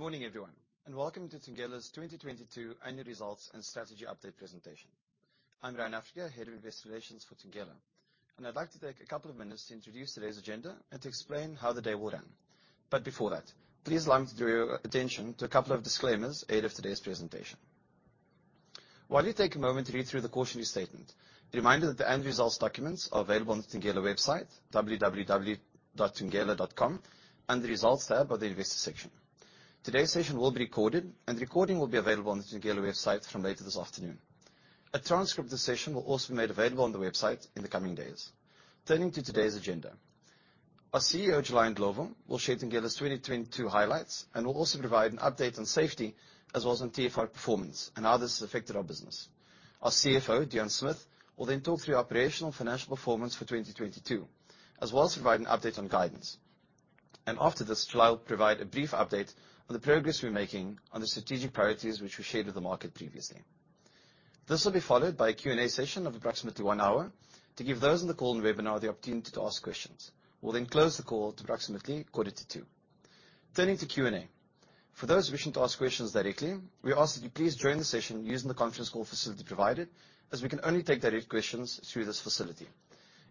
Good morning everyone, and welcome to Thungela's 2022 annual results and strategy update presentation. I'm Ryan Africa, head of investor relations for Thungela. I'd like to take a couple of minutes to introduce today's agenda and to explain how the day will run. Before that, please allow me to draw your attention to a couple of disclaimers re today's presentation. While you take a moment to read through the cautionary statement, a reminder that the end results documents are available on the Thungela website, www.thungela.com under the results tab of the investor section. Today's session will be recorded, and the recording will be available on the Thungela website from later this afternoon. A transcript of the session will also be made available on the website in the coming days. Turning to today's agenda. Our CEO July Ndlovu, will share Thungela's 2022 highlights and will also provide an update on safety as well as on TFR performance and how this has affected our business. Our CFO Deon Smith, will then talk through operational financial performance for 2022, as well as provide an update on guidance. After this, July will provide a brief update on the progress we're making on the strategic priorities which we shared with the market previously. This will be followed by a Q&A session of approximately one hour to give those on the call and webinar the opportunity to ask questions. We'll then close the call at approximately 1:45 P.M. Turning to Q&A. For those wishing to ask questions directly, we ask that you please join the session using the conference call facility provided, as we can only take direct questions through this facility.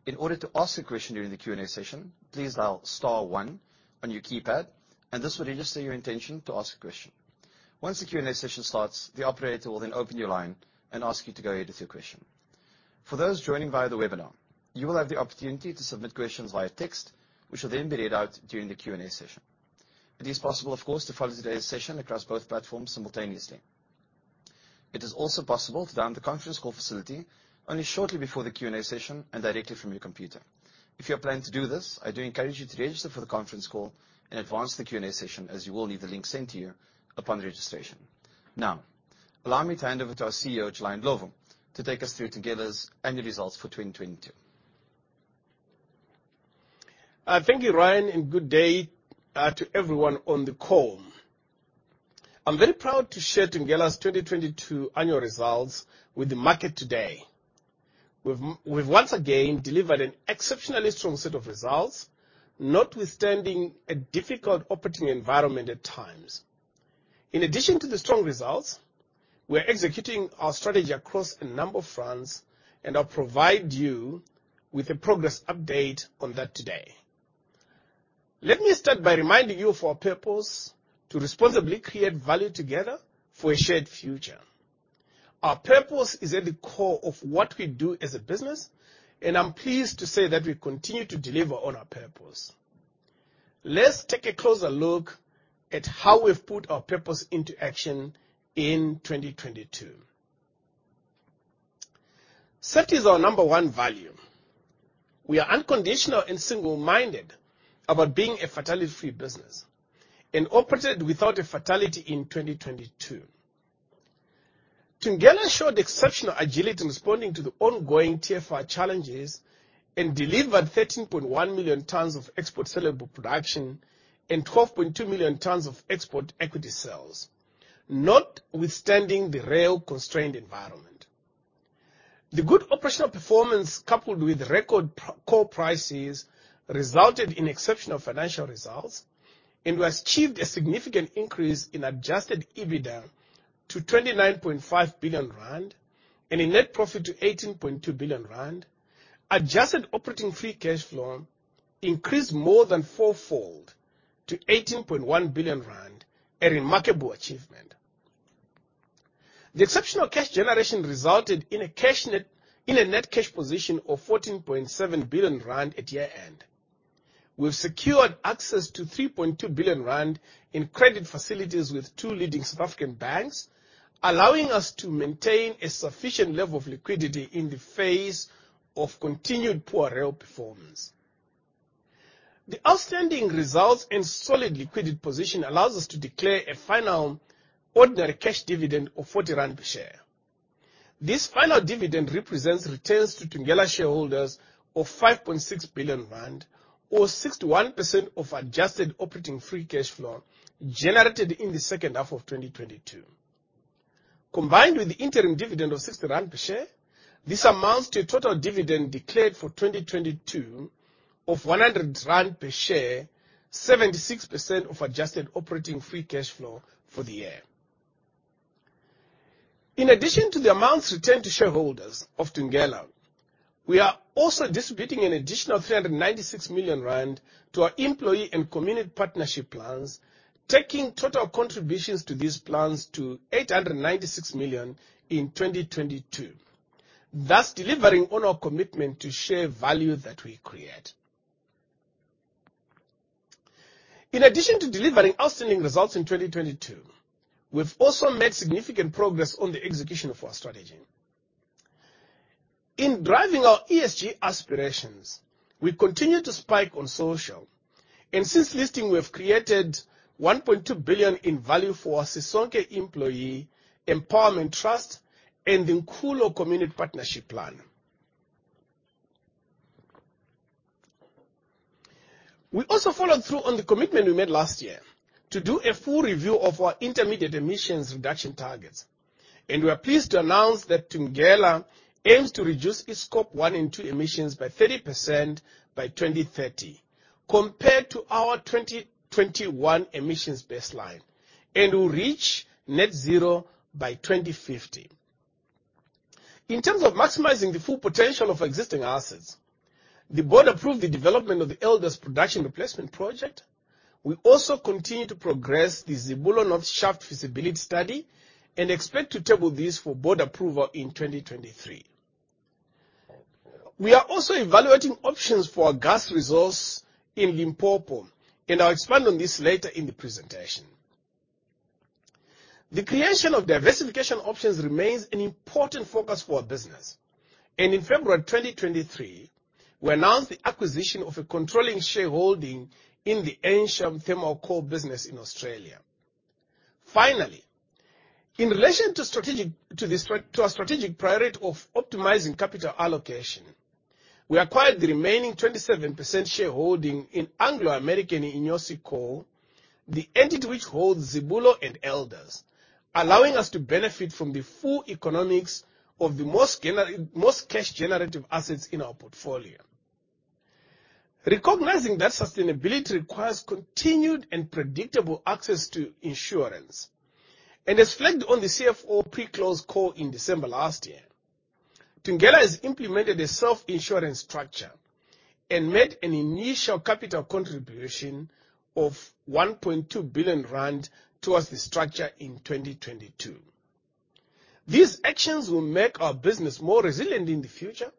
In order to ask a question during the Q&A session, please dial star one on your keypad, and this will register your intention to ask a question. Once the Q&A session starts, the operator will then open your line and ask you to go ahead with your question. For those joining via the webinar, you will have the opportunity to submit questions via text, which will then be read out during the Q&A session. It is possible, of course, to follow today's session across both platforms simultaneously. It is also possible to dial the conference call facility only shortly before the Q&A session and directly from your computer. If you are planning to do this, I do encourage you to register for the conference call in advance of the Q&A session, as you will need the link sent to you upon registration. Now, allow me to hand over to our CEO July Ndlovu, to take us through Thungela's annual results for 2022. Thank you Ryan and good day to everyone on the call. I'm very proud to share Thungela's 2022 annual results with the market today. We've once again delivered an exceptionally strong set of results, notwithstanding a difficult operating environment at times. In addition to the strong results, we're executing our strategy across a number of fronts. I'll provide you with a progress update on that today. Let me start by reminding you of our purpose to responsibly create value together for a shared future. Our purpose is at the core of what we do as a business. I'm pleased to say that we continue to deliver on our purpose. Let's take a closer look at how we've put our purpose into action in 2022. Safety is our number one value. We are unconditional and single-minded about being a fatality-free business and operated without a fatality in 2022. Thungela showed exceptional agility in responding to the ongoing TFR challenges and delivered 13.1 million tons of export saleable production and 12.2 million tons of export equity sales. Notwithstanding the rail-constrained environment. The good operational performance, coupled with record coal prices, resulted in exceptional financial results and we achieved a significant increase in adjusted EBITDA to 29.5 billion rand and a net profit to 18.2 billion rand. Adjusted operating free cash flow increased more than fourfold to 18.1 billion rand, a remarkable achievement. The exceptional cash generation resulted in a net cash position of 14.7 billion rand at year-end. We've secured access to 3.2 billion rand in credit facilities with two leading South African banks, allowing us to maintain a sufficient level of liquidity in the face of continued poor rail performance. The outstanding results and solid liquidity position allows us to declare a final ordinary cash dividend of 40 rand per share. This final dividend represents returns to Thungela shareholders of 5.6 billion rand, or 61% of adjusted operating free cash flow generated in the second half of 2022. Combined with the interim dividend of 60 rand per share, this amounts to a total dividend declared for 2022 of 100 rand per share, 76% of adjusted operating free cash flow for the year. In addition to the amounts returned to shareholders of Thungela, we are also distributing an additional 396 million rand to our employee and community partnership plans, taking total contributions to these plans to 896 million in 2022, thus delivering on our commitment to share value that we create. In addition to delivering outstanding results in 2022, we've also made significant progress on the execution of our strategy. In driving our ESG aspirations, we continue to spike on social, and since listing, we have created 1.2 billion in value for our Sisonke Employee Empowerment Trust and the Nkulo Community Partnership Plan. We also followed through on the commitment we made last year to do a full review of our intermediate emissions reduction targets. We are pleased to announce that Thungela aims to reduce its Scope one and two emissions by 30% by 2030 compared to our 2021 emissions baseline, and will reach net zero by 2050. In terms of maximizing the full potential of existing assets, the board approved the development of the Elders production replacement project. We also continue to progress the Zibulo North Shaft feasibility study and expect to table this for board approval in 2023. We are also evaluating options for our gas resource in Limpopo, and I'll expand on this later in the presentation. The creation of diversification options remains an important focus for our business, and in February 2023, we announced the acquisition of a controlling shareholding in the Ensham Thermal Coal business in Australia. In relation to our strategic priority of optimizing capital allocation, we acquired the remaining 27% shareholding in Anglo American Inyosi Coal, the entity which holds Zibulo and Elders, allowing us to benefit from the full economics of the most cash-generative assets in our portfolio. Recognizing that sustainability requires continued and predictable access to insurance, and as flagged on the CFO pre-close call in December last year. Thungela has implemented a self-insurance structure and made an initial capital contribution of 1.2 billion rand towards the structure in 2022. These actions will make our business more resilient in the future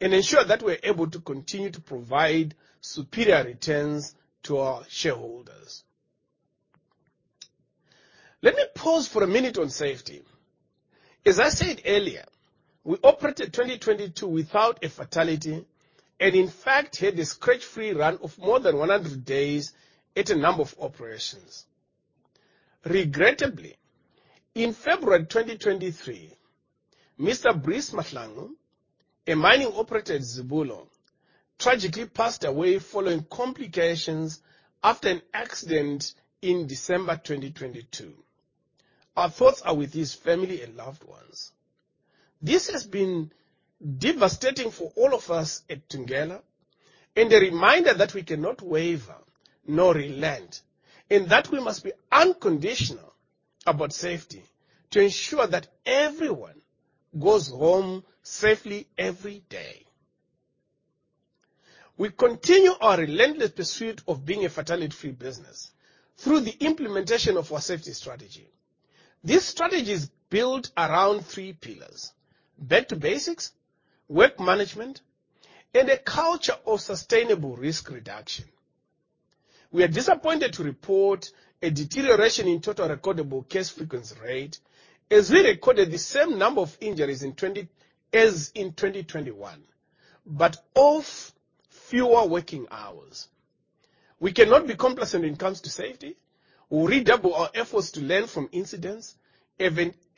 and ensure that we're able to continue to provide superior returns to our shareholders. Let me pause for a minute on safety. As I said earlier, we operated 2022 without a fatality and in fact, had a scratch-free run of more than 100 days at a number of operations. Regrettably, in February 2023, Mr. Bruce Mahlangu, a Mining Operator at Zibulo, tragically passed away following complications after an accident in December 2022. Our thoughts are with his family and loved ones. This has been devastating for all of us at Thungela and a reminder that we cannot waver nor relent, and that we must be unconditional about safety to ensure that everyone goes home safely every day. We continue our relentless pursuit of being a fatality-free business through the implementation of our safety strategy. This strategy is built around three pillars: Back to basics, work management, and a culture of sustainable risk reduction. We are disappointed to report a deterioration in total recordable case frequency rate, as we recorded the same number of injuries as in 2021, but off fewer working hours. We cannot be complacent when it comes to safety. We redouble our efforts to learn from incidents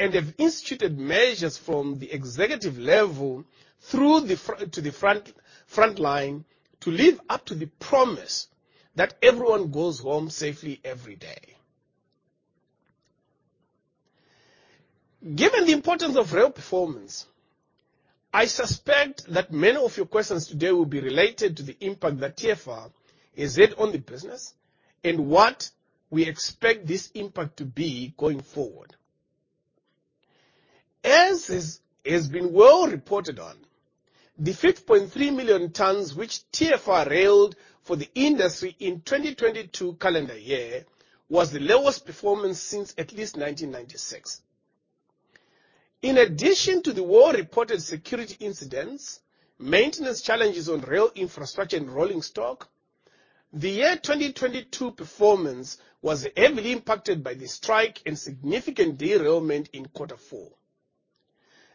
and have instituted measures from the executive level through to the front line to live up to the promise that everyone goes home safely every day. Given the importance of rail performance, I suspect that many of your questions today will be related to the impact that TFR has had on the business and what we expect this impact to be going forward. As has been well reported on, the 5.3 million tons which TFR railed for the industry in 2022 calendar year was the lowest performance since at least 1996. In addition to the well-reported security incidents, maintenance challenges on rail infrastructure and rolling stock, the 2022 performance was heavily impacted by the strike and significant derailment in Q4.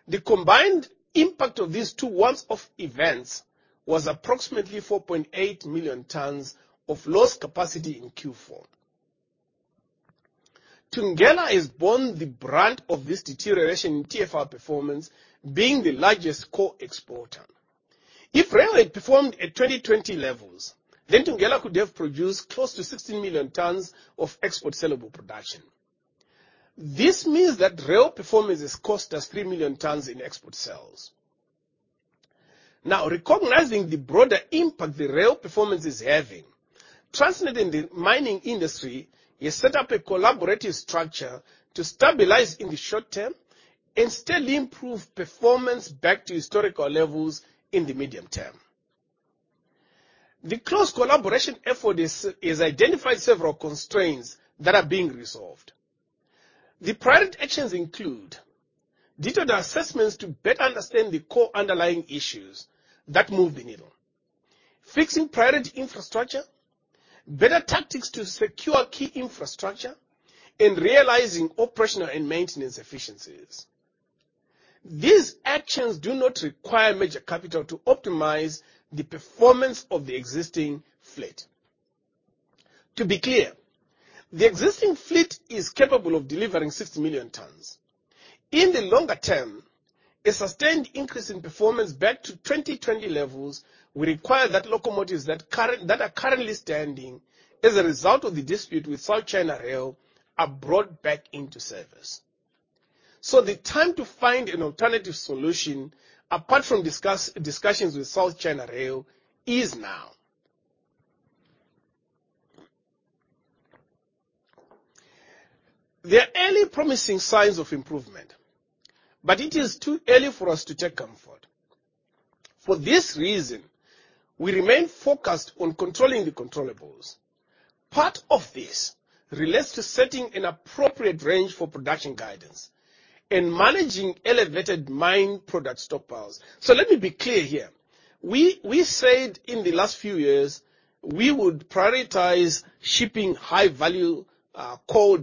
The combined impact of these two once-off events was approximately 4.8 million tons of lost capacity in Q4. Thungela has borne the brunt of this deterioration in TFR performance being the largest coal exporter. If rail had performed at 2020 levels, Thungela could have produced close to 16 million tons of export saleable production. This means that rail performance has cost us 3 million tons in export sales. Recognizing the broader impact the rail performance is having, Transnet in the mining industry has set up a collaborative structure to stabilize in the short term and steadily improve performance back to historical levels in the medium term. The close collaboration effort has identified several constraints that are being resolved. The priority actions include detailed assessments to better understand the core underlying issues that move the needle, fixing priority infrastructure, better tactics to secure key infrastructure, and realizing operational and maintenance efficiencies. These actions do not require major capital to optimize the performance of the existing fleet. To be clear, the existing fleet is capable of delivering 60 million tons. In the longer term. A sustained increase in performance back to 2020 levels will require that locomotives that are currently standing as a result of the dispute with South China Rail are brought back into service. The time to find an alternative solution, apart from discussions with South China Rail, is now. There are early promising signs of improvement, but it is too early for us to take comfort. For this reason, we remain focused on controlling the controllables. Part of this relates to setting an appropriate range for production guidance and managing elevated mine product stockpiles. Let me be clear here. We said in the last few years, we would prioritize shipping high-value coal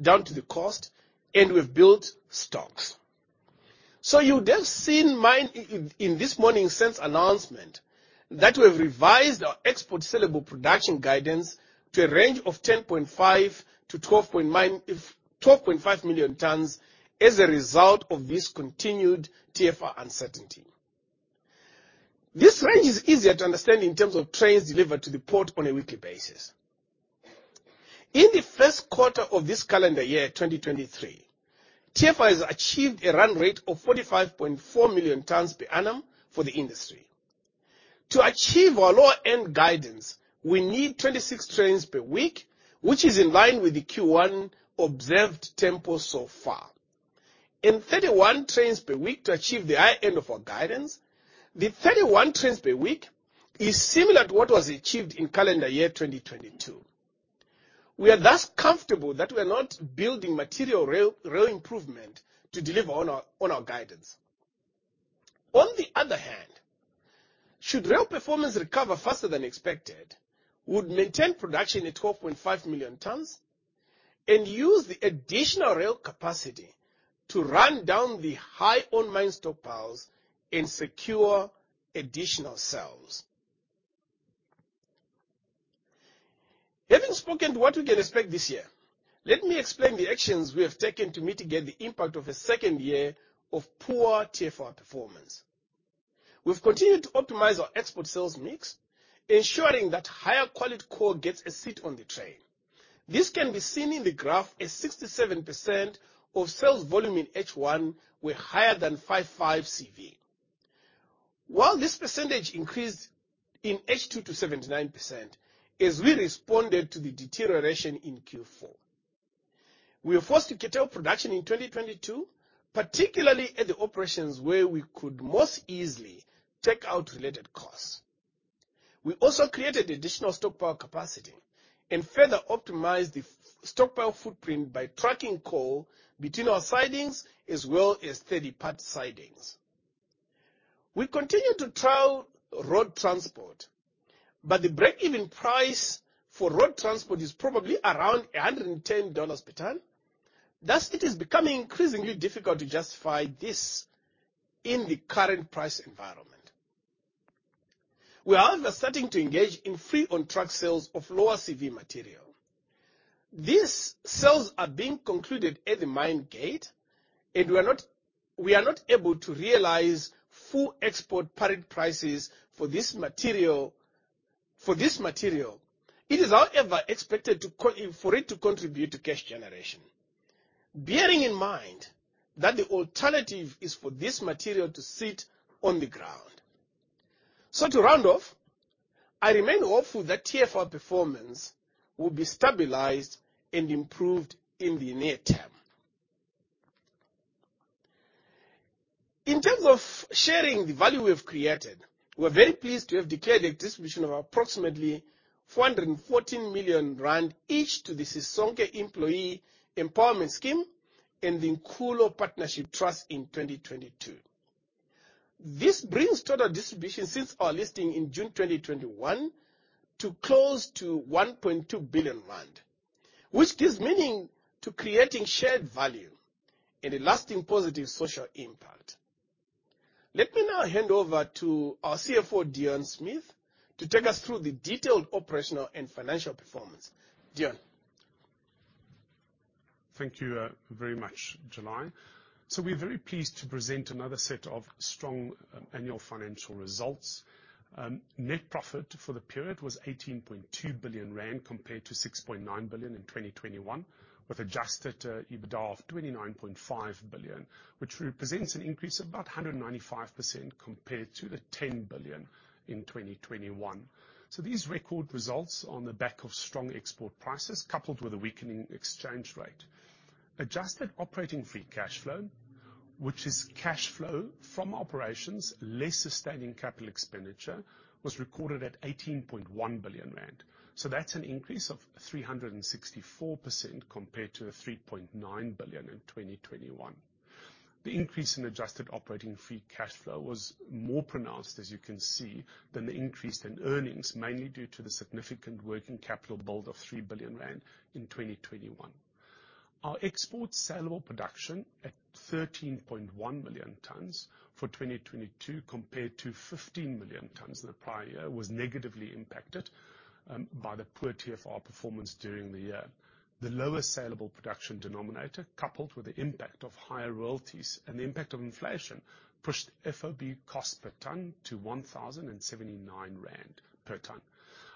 down to the coast, and we've built stocks. You would have seen mine in this morning's sales announcement that we've revised our export saleable production guidance to a range of 10.5 to 12.5 million tons as a result of this continued TFR uncertainty. This range is easier to understand in terms of trains delivered to the port on a weekly basis. In the first quarter of this calendar year, 2023, TFR has achieved a run rate of 45.4 million tons per annum for the industry. To achieve our lower end guidance, we need 26 trains per week, which is in line with the Q1 observed tempo so far. 31 trains per week to achieve the high end of our guidance. The 31 trains per week is similar to what was achieved in calendar year 2022. We are thus comfortable that we're not building material rail improvement to deliver on our guidance. On the other hand, should rail performance recover faster than expected, we'd maintain production at 12.5 million tons and use the additional rail capacity to run down the high on-mine stockpiles and secure additional sales. Having spoken to what we can expect this year, let me explain the actions we have taken to mitigate the impact of a second year of poor TFR performance. We've continued to optimize our export sales mix, ensuring that higher quality coal gets a seat on the train. This can be seen in the graph as 67% of sales volume in H1 were higher than five-five CV. While this percentage increased in H2 to 79% as we responded to the deterioration in Q4. We were forced to curtail production in 2022, particularly at the operations where we could most easily take out related costs. We also created additional stockpile capacity and further optimized the stockpile footprint by tracking coal between our sidings as well as third-party sidings. We continue to trial road transport, but the break-even price for road transport is probably around $110 per ton. Thus, it is becoming increasingly difficult to justify this in the current price environment. We are also starting to engage in free on truck sales of lower CV material. These sales are being concluded at the mine gate, and we are not able to realize full export parity prices for this material. It is, however, expected for it to contribute to cash generation. Bearing in mind that the alternative is for this material to sit on the ground. To round off, I remain hopeful that TFR performance will be stabilized and improved in the near term. In terms of sharing the value we have created, we're very pleased to have declared a distribution of approximately 414 million rand each to the Sisonke Employee Empowerment Scheme and the Nkulo Partnership Trust in 2022. This brings total distributions since our listing in June 2021 to close to 1.2 billion rand, which gives meaning to creating shared value and a lasting positive social impact. Let me now hand over to our CFO Deon Smith, to take us through the detailed operational and financial performance. Deon? Thank you very much July. We're very pleased to present another set of strong annual financial results. Net profit for the period was 18.2 billion rand compared to 6.9 billion in 2021, with adjusted EBITDA of 29.5 billion, which represents an increase of about 195% compared to the 10 billion in 2021. These record results on the back of strong export prices coupled with a weakening exchange rate. Adjusted operating free cash flow, which is cash flow from operations less sustaining capital expenditure, was recorded at 18.1 billion rand. That's an increase of 364% compared to the 3.9 billion in 2021. The increase in adjusted operating free cash flow was more pronounced, as you can see, than the increase in earnings, mainly due to the significant working capital build of 3 billion rand in 2021. Our export saleable production at 13.1 million tonnes for 2022 compared to 15 million tonnes in the prior year was negatively impacted by the poor TFR performance during the year. The lower saleable production denominator, coupled with the impact of higher royalties and the impact of inflation, pushed FOB cost per ton to 1,079 rand per ton.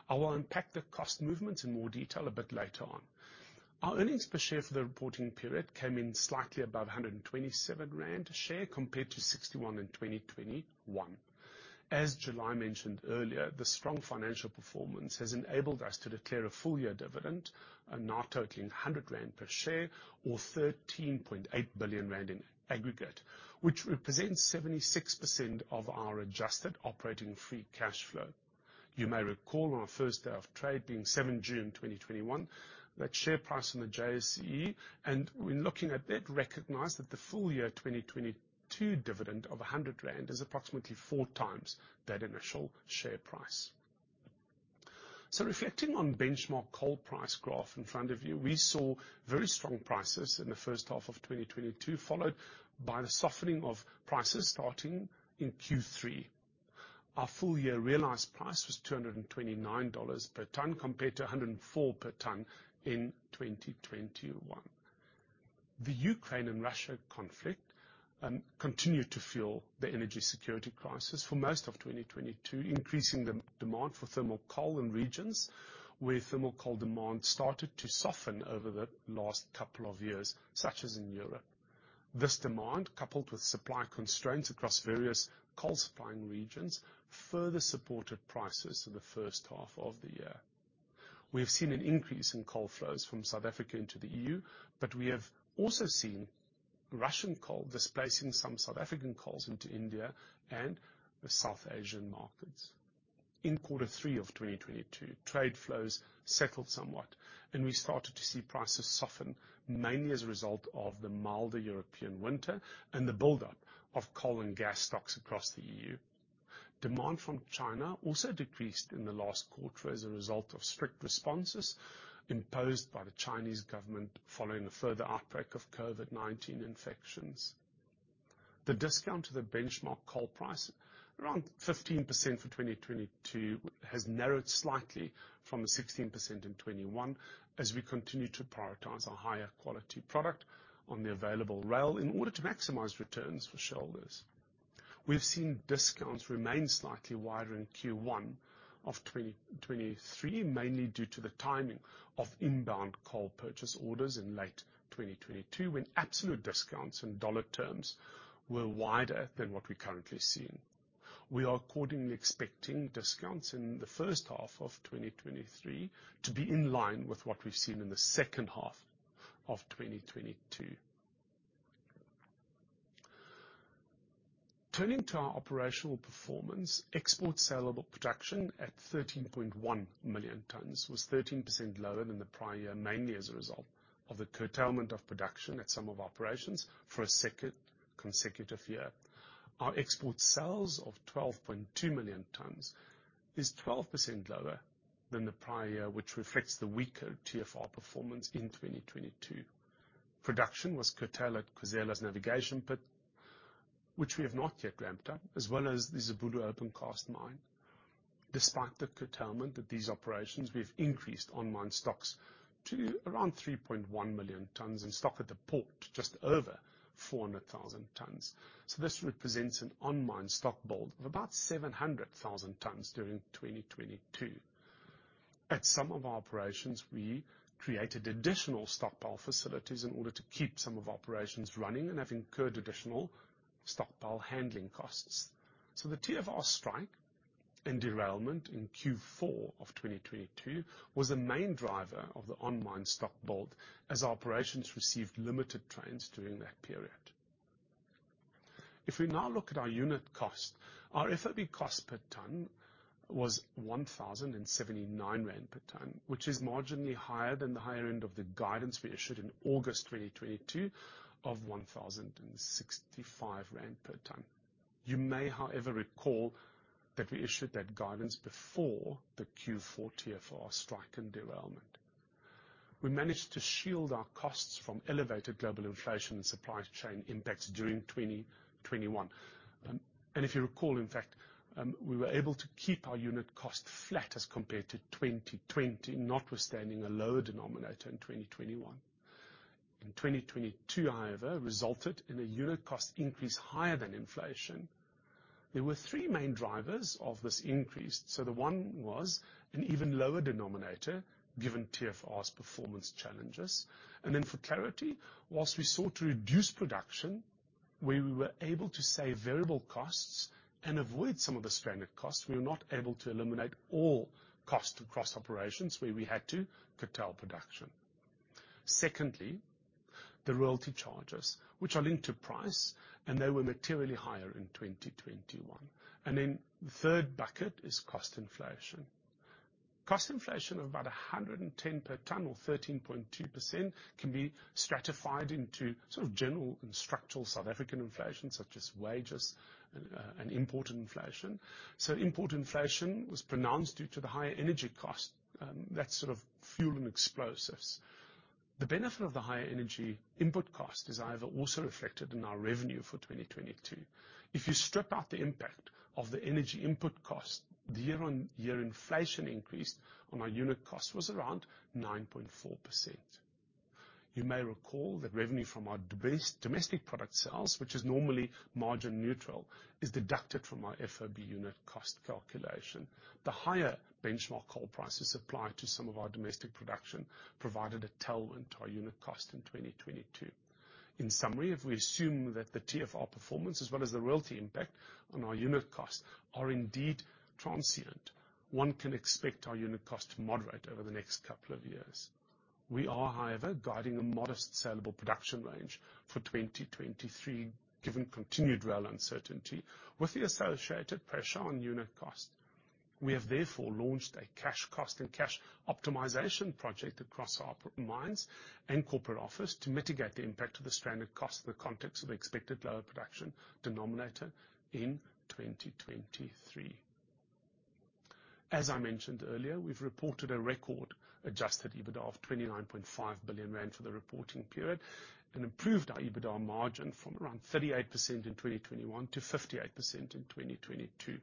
I will unpack the cost movements in more detail a bit later on. Our earnings per share for the reporting period came in slightly above 127 rand a share compared to 61 in 2021. As July mentioned earlier, the strong financial performance has enabled us to declare a full year dividend, now totaling 100 rand per share or 13.8 billion rand in aggregate, which represents 76% of our adjusted operating free cash flow. You may recall on our first day of trade being 7th June 2021, that share price on the JSE, and when looking at that, recognize that the full year 2022 dividend of 100 rand is approximately four times that initial share price. Reflecting on benchmark coal price graph in front of you, we saw very strong prices in the first half of 2022, followed by the softening of prices starting in Q3. Our full year realized price was $229 per ton compared to $104 per ton in 2021. The Ukraine and Russia conflict continued to fuel the energy security crisis for most of 2022, increasing de-demand for thermal coal in regions where thermal coal demand started to soften over the last couple of years, such as in Europe. This demand, coupled with supply constraints across various coal supplying regions, further supported prices in the first half of the year. We have seen an increase in coal flows from South Africa into the EU, we have also seen Russian coal displacing some South African coals into India and the South Asian markets. In Q3 of 2022, trade flows settled somewhat, and we started to see prices soften, mainly as a result of the milder European winter and the buildup of coal and gas stocks across the EU. Demand from China also decreased in the last quarter as a result of strict responses imposed by the Chinese government following a further outbreak of COVID-19 infections. The discount to the benchmark coal price, around 15% for 2022, has narrowed slightly from the 16% in 2021 as we continue to prioritize our higher quality product on the available rail in order to maximize returns for shareholders. We have seen discounts remain slightly wider in Q1 of 2023, mainly due to the timing of inbound coal purchase orders in late 2022, when absolute discounts in dollar terms were wider than what we're currently seeing. We are accordingly expecting discounts in the first half of 2023 to be in line with what we've seen in the second half of 2022. Turning to our operational performance, export saleable production at 13.1 million tonnes was 13% lower than the prior year, mainly as a result of the curtailment of production at some of our operations for a second consecutive year. Our export sales of 12.2 million tonnes is 12% lower than the prior year, which reflects the weaker TFR performance in 2022. Production was curtailed at Khwezela's Navigation Pit, which we have not yet ramped up, as well as the Zibulo open cast mine. Despite the curtailment at these operations, we've increased on-mine stocks to around 3.1 million tonnes in stock at the port, just over 400,000 tonnes. This represents an on-mine stock build of about 700,000 tonnes during 2022. At some of our operations, we created additional stockpile facilities in order to keep some of our operations running and have incurred additional stockpile handling costs. The TFR strike and derailment in Q4 of 2022 was the main driver of the on-mine stock build as our operations received limited trains during that period. If we now look at our unit cost, our FOB cost per ton was 1,079 rand per ton, which is marginally higher than the higher end of the guidance we issued in August 2022 of 1,065 rand per ton. You may, however, recall that we issued that guidance before the Q4 TFR strike and derailment. We managed to shield our costs from elevated global inflation and supply chain impacts during 2021. If you recall, in fact, we were able to keep our unit cost flat as compared to 2020, notwithstanding a lower denominator in 2021. In 2022, however, resulted in a unit cost increase higher than inflation. There were three main drivers of this increase. The one was an even lower denominator given TFR's performance challenges. For clarity, whilst we sought to reduce production, where we were able to save variable costs and avoid some of the stranded costs, we were not able to eliminate all costs across operations where we had to curtail production. Secondly, the royalty charges, which are linked to price, and they were materially higher in 2021. The third bucket is cost inflation. Cost inflation of about 110 per ton or 13.2% can be stratified into sort of general and structural South African inflation, such as wages, and import inflation. Import inflation was pronounced due to the higher energy cost, that's sort of fuel and explosives. The benefit of the higher energy input cost is either also reflected in our revenue for 2022. If you strip out the impact of the energy input cost, the year-on-year inflation increase on our unit cost was around 9.4%. You may recall that revenue from our domestic product sales, which is normally margin neutral, is deducted from our FOB unit cost calculation. The higher benchmark coal prices applied to some of our domestic production provided a tailwind to our unit cost in 2022. In summary, if we assume that the TFR performance as well as the royalty impact on our unit costs are indeed transient, one can expect our unit cost to moderate over the next couple of years. We are, however, guiding a modest sellable production range for 2023, given continued rail uncertainty with the associated pressure on unit cost. We have therefore launched a cash cost and cash optimization project across our mines and corporate office to mitigate the impact of the stranded cost in the context of expected lower production denominator in 2023. As I mentioned earlier, we've reported a record adjusted EBITDA of 29.5 billion rand for the reporting period and improved our EBITDA margin from around 38% in 2021 to 58% in 2022.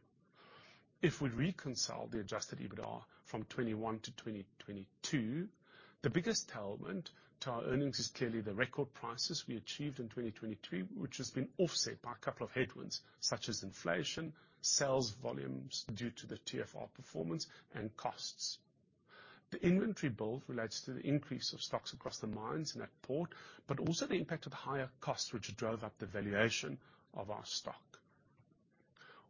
If we reconcile the adjusted EBITDA from 21 to 2022, the biggest tailwind to our earnings is clearly the record prices we achieved in 2022, which has been offset by a couple of headwinds such as inflation, sales volumes due to the TFR performance, and costs. The inventory build relates to the increase of stocks across the mines and at port, but also the impact of higher costs which drove up the valuation of our stock.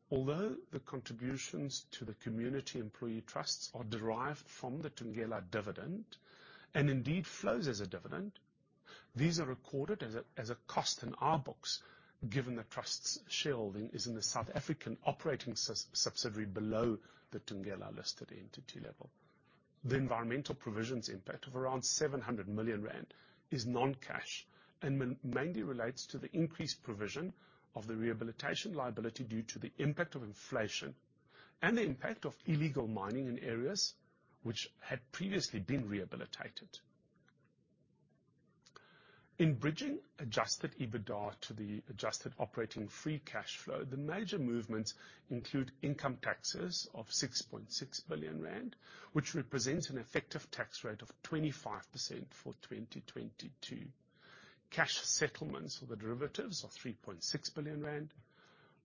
Although the contributions to the community employee trusts are derived from the Thungela dividend, and indeed flows as a dividend, these are recorded as a cost in our books, given the trust's shareholding is in the South African operating subsidiary below the Thungela listed entity level. The environmental provisions impact of around 700 million rand is non-cash and mainly relates to the increased provision of the rehabilitation liability due to the impact of inflation and the impact of illegal mining in areas which had previously been rehabilitated. In bridging adjusted EBITDA to the adjusted operating free cash flow, the major movements include income taxes of 6.6 billion rand, which represents an effective tax rate of 25% for 2022. Cash settlements for the derivatives of 3.6 billion rand,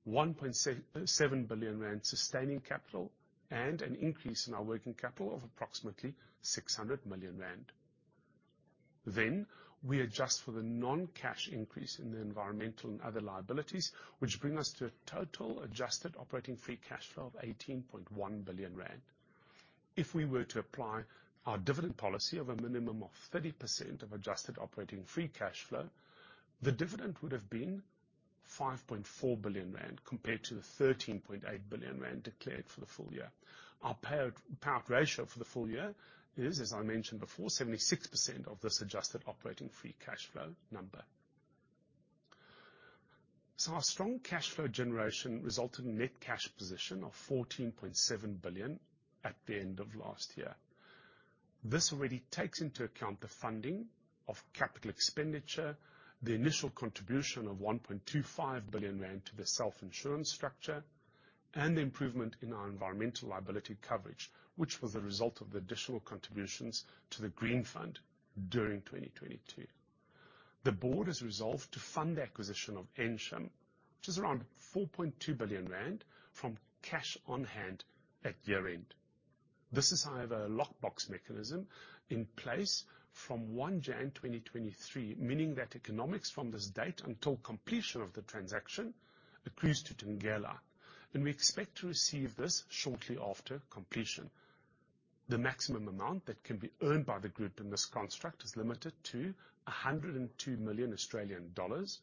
1.7 billion rand sustaining capital, and an increase in our working capital of approximately 600 million rand. We adjust for the non-cash increase in the environmental and other liabilities, which bring us to a total adjusted operating free cash flow of 18.1 billion rand. If we were to apply our dividend policy of a minimum of 30% of adjusted operating free cash flow, the dividend would have been 5.4 billion rand compared to the 13.8 billion rand declared for the full year. Our payout ratio for the full year is, as I mentioned before, 76% of this adjusted operating free cash flow number. Our strong cash flow generation result in net cash position of 14.7 billion at the end of last year. This already takes into account the funding of capital expenditure, the initial contribution of 1.25 billion rand to the self-insurance structure, and the improvement in our environmental liability coverage, which was a result of the additional contributions to the green fund during 2022. The board has resolved to fund the acquisition of Ensham, which is around 4.2 billion rand from cash on hand at year-end. This is however a lockbox mechanism in place from Jan 1, 2023, meaning that economics from this date until completion of the transaction accrues to Thungela, and we expect to receive this shortly after completion. The maximum amount that can be earned by the group in this construct is limited to 102 million Australian dollars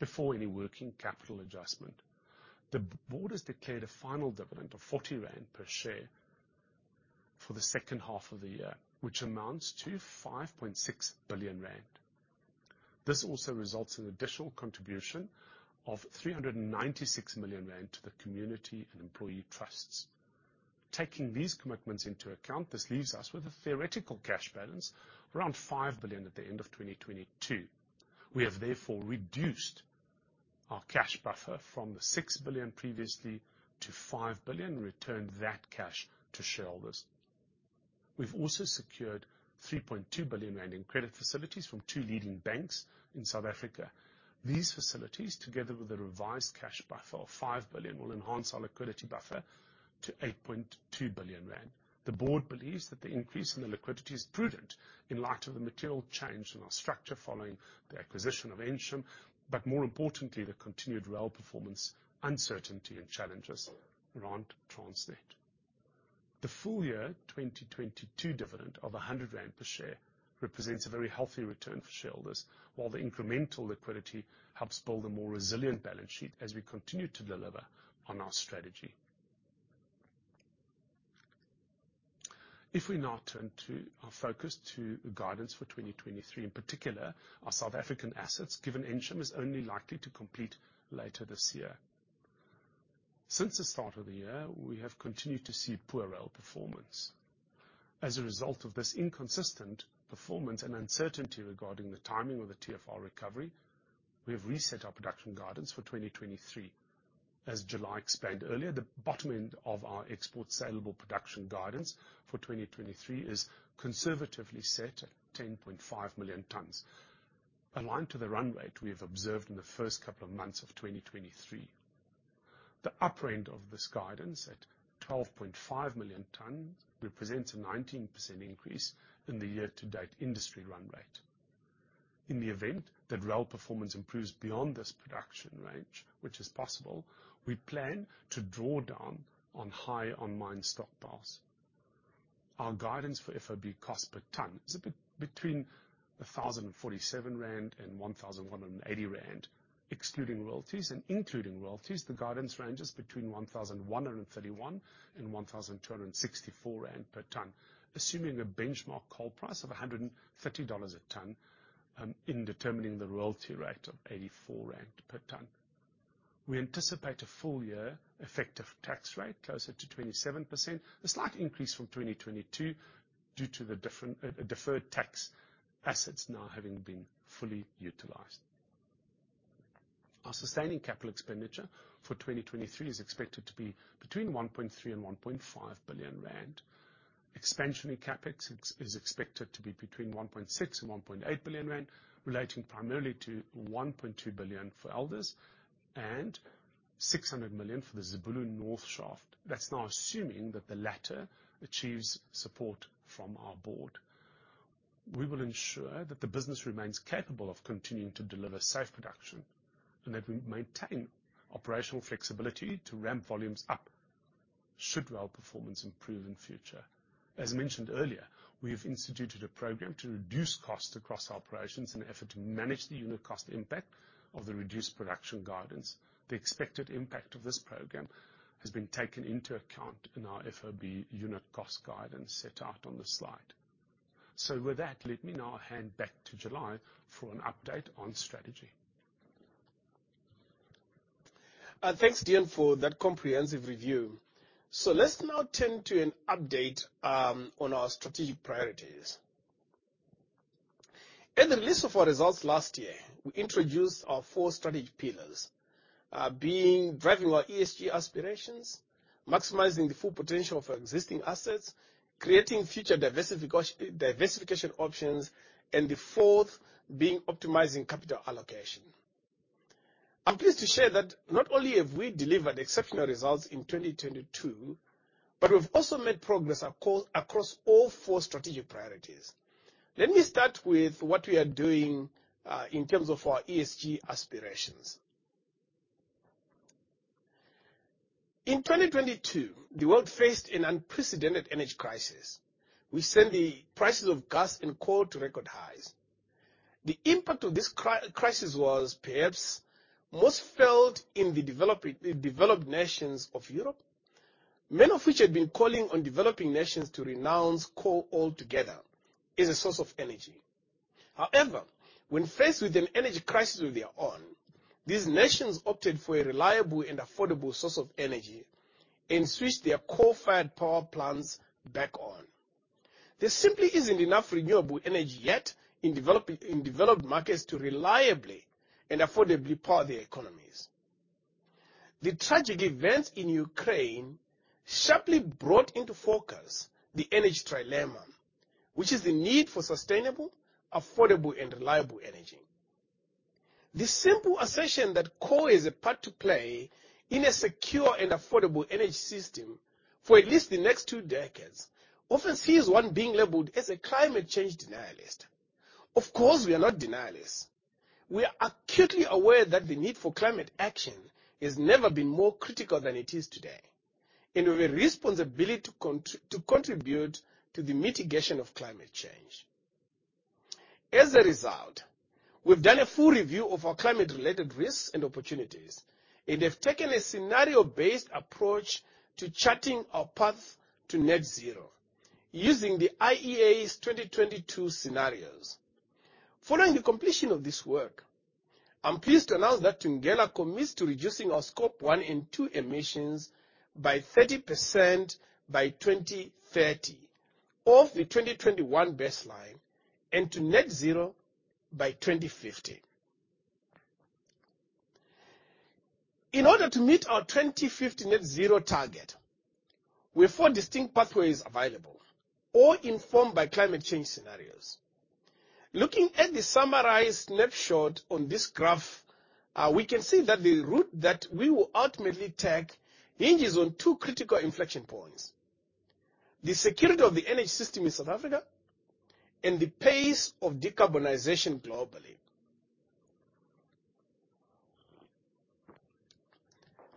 before any working capital adjustment. The Board has declared a final dividend of 40 rand per share for the second half of the year, which amounts to 5.6 billion rand. This also results in additional contribution of 396 million rand to the community and employee trusts. Taking these commitments into account, this leaves us with a theoretical cash balance around 5 billion at the end of 2022. We have therefore reduced our cash buffer from the 6 billion previously to 5 billion and returned that cash to shareholders. We've also secured 3.2 billion rand in credit facilities from two leading banks in South Africa. These facilities, together with a revised cash buffer of 5 billion, will enhance our liquidity buffer to 8.2 billion rand. The board believes that the increase in the liquidity is prudent in light of the material change in our structure following the acquisition of Ensham, but more importantly, the continued rail performance, uncertainty, and challenges around Transnet. The full year 2022 dividend of 100 rand per share represents a very healthy return for shareholders, while the incremental liquidity helps build a more resilient balance sheet as we continue to deliver on our strategy. If we now turn to our focus to guidance for 2023, in particular our South African assets, given Ensham is only likely to complete later this year. Since the start of the year, we have continued to see poor rail performance. As a result of this inconsistent performance and uncertainty regarding the timing of the TFR recovery, we have reset our production guidance for 2023. As July explained earlier, the bottom end of our export saleable production guidance for 2023 is conservatively set at 10.5 million tons, aligned to the run rate we have observed in the first couple of months of 2023. The upper end of this guidance at 12.5 million tons represents a 19% increase in the year-to-date industry run rate. In the event that rail performance improves beyond this production range, which is possible, we plan to draw down on high on-mine stockpiles. Our guidance for FOB cost per ton is between 1,047 rand and 1,180 rand, excluding royalties. Including royalties, the guidance range is between 1,131 and 1,264 rand per ton, assuming a benchmark coal price of $130 a ton in determining the royalty rate of 84 rand per ton. We anticipate a full year effective tax rate closer to 27%. A slight increase from 2022 due to the deferred tax assets now having been fully utilized. Our sustaining capital expenditure for 2023 is expected to be between 1.3 billion and 1.5 billion rand. Expansion in CapEx is expected to be between 1.6 billion-1.8 billion rand, relating primarily to 1.2 billion for Elders and 600 million for the Zibulo North Shaft. That's now assuming that the latter achieves support from our board. We will ensure that the business remains capable of continuing to deliver safe production, and that we maintain operational flexibility to ramp volumes up should rail performance improve in future. As mentioned earlier, we have instituted a program to reduce costs across our operations in an effort to manage the unit cost impact of the reduced production guidance. The expected impact of this program has been taken into account in our FOB unit cost guidance set out on the slide. With that, let me now hand back to July for an update on strategy. Thanks Deon, for that comprehensive review. Let's now turn to an update on our strategic priorities. In the release of our results last year, we introduced our four strategic pillars, being: driving our ESG aspirations, maximizing the full potential of our existing assets, creating future diversification options, and the fourth being optimizing capital allocation. I'm pleased to share that not only have we delivered exceptional results in 2022, but we've also made progress across all four strategic priorities. Let me start with what we are doing in terms of our ESG aspirations. In 2022, the world faced an unprecedented energy crisis which sent the prices of gas and coal to record highs. The impact of this crisis was perhaps most felt in the developed nations of Europe, many of which had been calling on developing nations to renounce coal altogether as a source of energy. However, when faced with an energy crisis of their own, these nations opted for a reliable and affordable source of energy and switched their coal-fired power plants back on. There simply isn't enough renewable energy yet in developed markets to reliably and affordably power their economies. The tragic events in Ukraine sharply brought into focus the energy trilemma, which is the need for sustainable, affordable, and reliable energy. The simple assertion that coal has a part to play in a secure and affordable energy system for at least the next two decades often sees one being labeled as a climate change denialist. Of course, we are not denialists. We are acutely aware that the need for climate action has never been more critical than it is today, and we have a responsibility to contribute to the mitigation of climate change. As a result, we've done a full review of our climate-related risks and opportunities, and have taken a scenario-based approach to charting our path to net zero using the IEA's 2022 scenarios. Following the completion of this work, I'm pleased to announce that Thungela commits to reducing our Scope 1 and 2 emissions by 30% by 2030 off the 2021 baseline, and to net zero by 2050. In order to meet our 2050 net zero target, we have four distinct pathways available, all informed by climate change scenarios. Looking at the summarized snapshot on this graph, we can see that the route that we will ultimately take hinges on two critical inflection points: the security of the energy system in South Africa and the pace of decarbonization globally.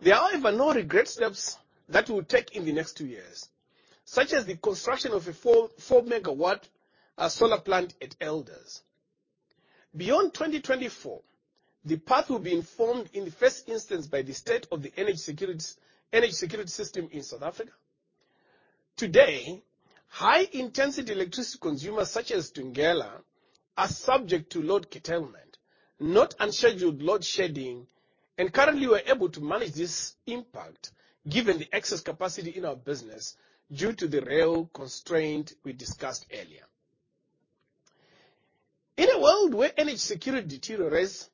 There are, however, no regrets steps that we'll take in the next two years, such as the construction of a 4 megawatt solar plant at Elders. Beyond 2024, the path will be informed in the first instance by the state of the energy security system in South Africa. Today, high intensity electricity consumers such as Thungela are subject to load curtailment, not unscheduled load shedding, and currently we're able to manage this impact given the excess capacity in our business due to the rail constraint we discussed earlier. In a world where energy security deteriorates,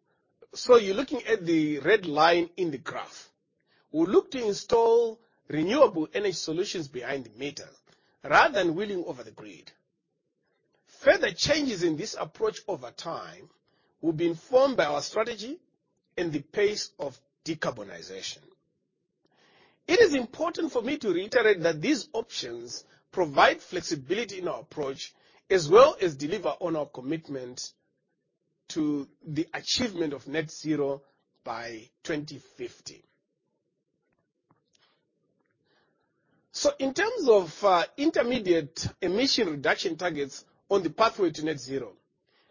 so you're looking at the red line in the graph, we look to install renewable energy solutions behind the meter rather than wheeling over the grid. Further changes in this approach over time, will be informed by our strategy and the pace of decarbonization. It is important for me to reiterate that these options provide flexibility in our approach as well as deliver on our commitment to the achievement of net zero by 2050. In terms of intermediate emission reduction targets on the pathway to net zero,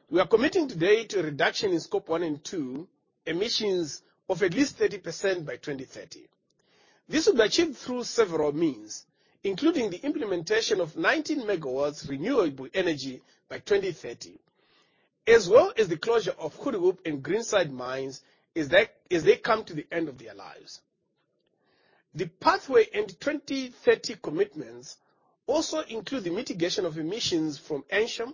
we are committing today to a reduction in Scope one and two emissions of at least 30% by 2030. This will be achieved through several means, including the implementation of 19 MW renewable energy by 2030, as well as the closure of Goedehoop and Greenside mines as they come to the end of their lives. The pathway and 2030 commitments also include the mitigation of emissions from Ensham,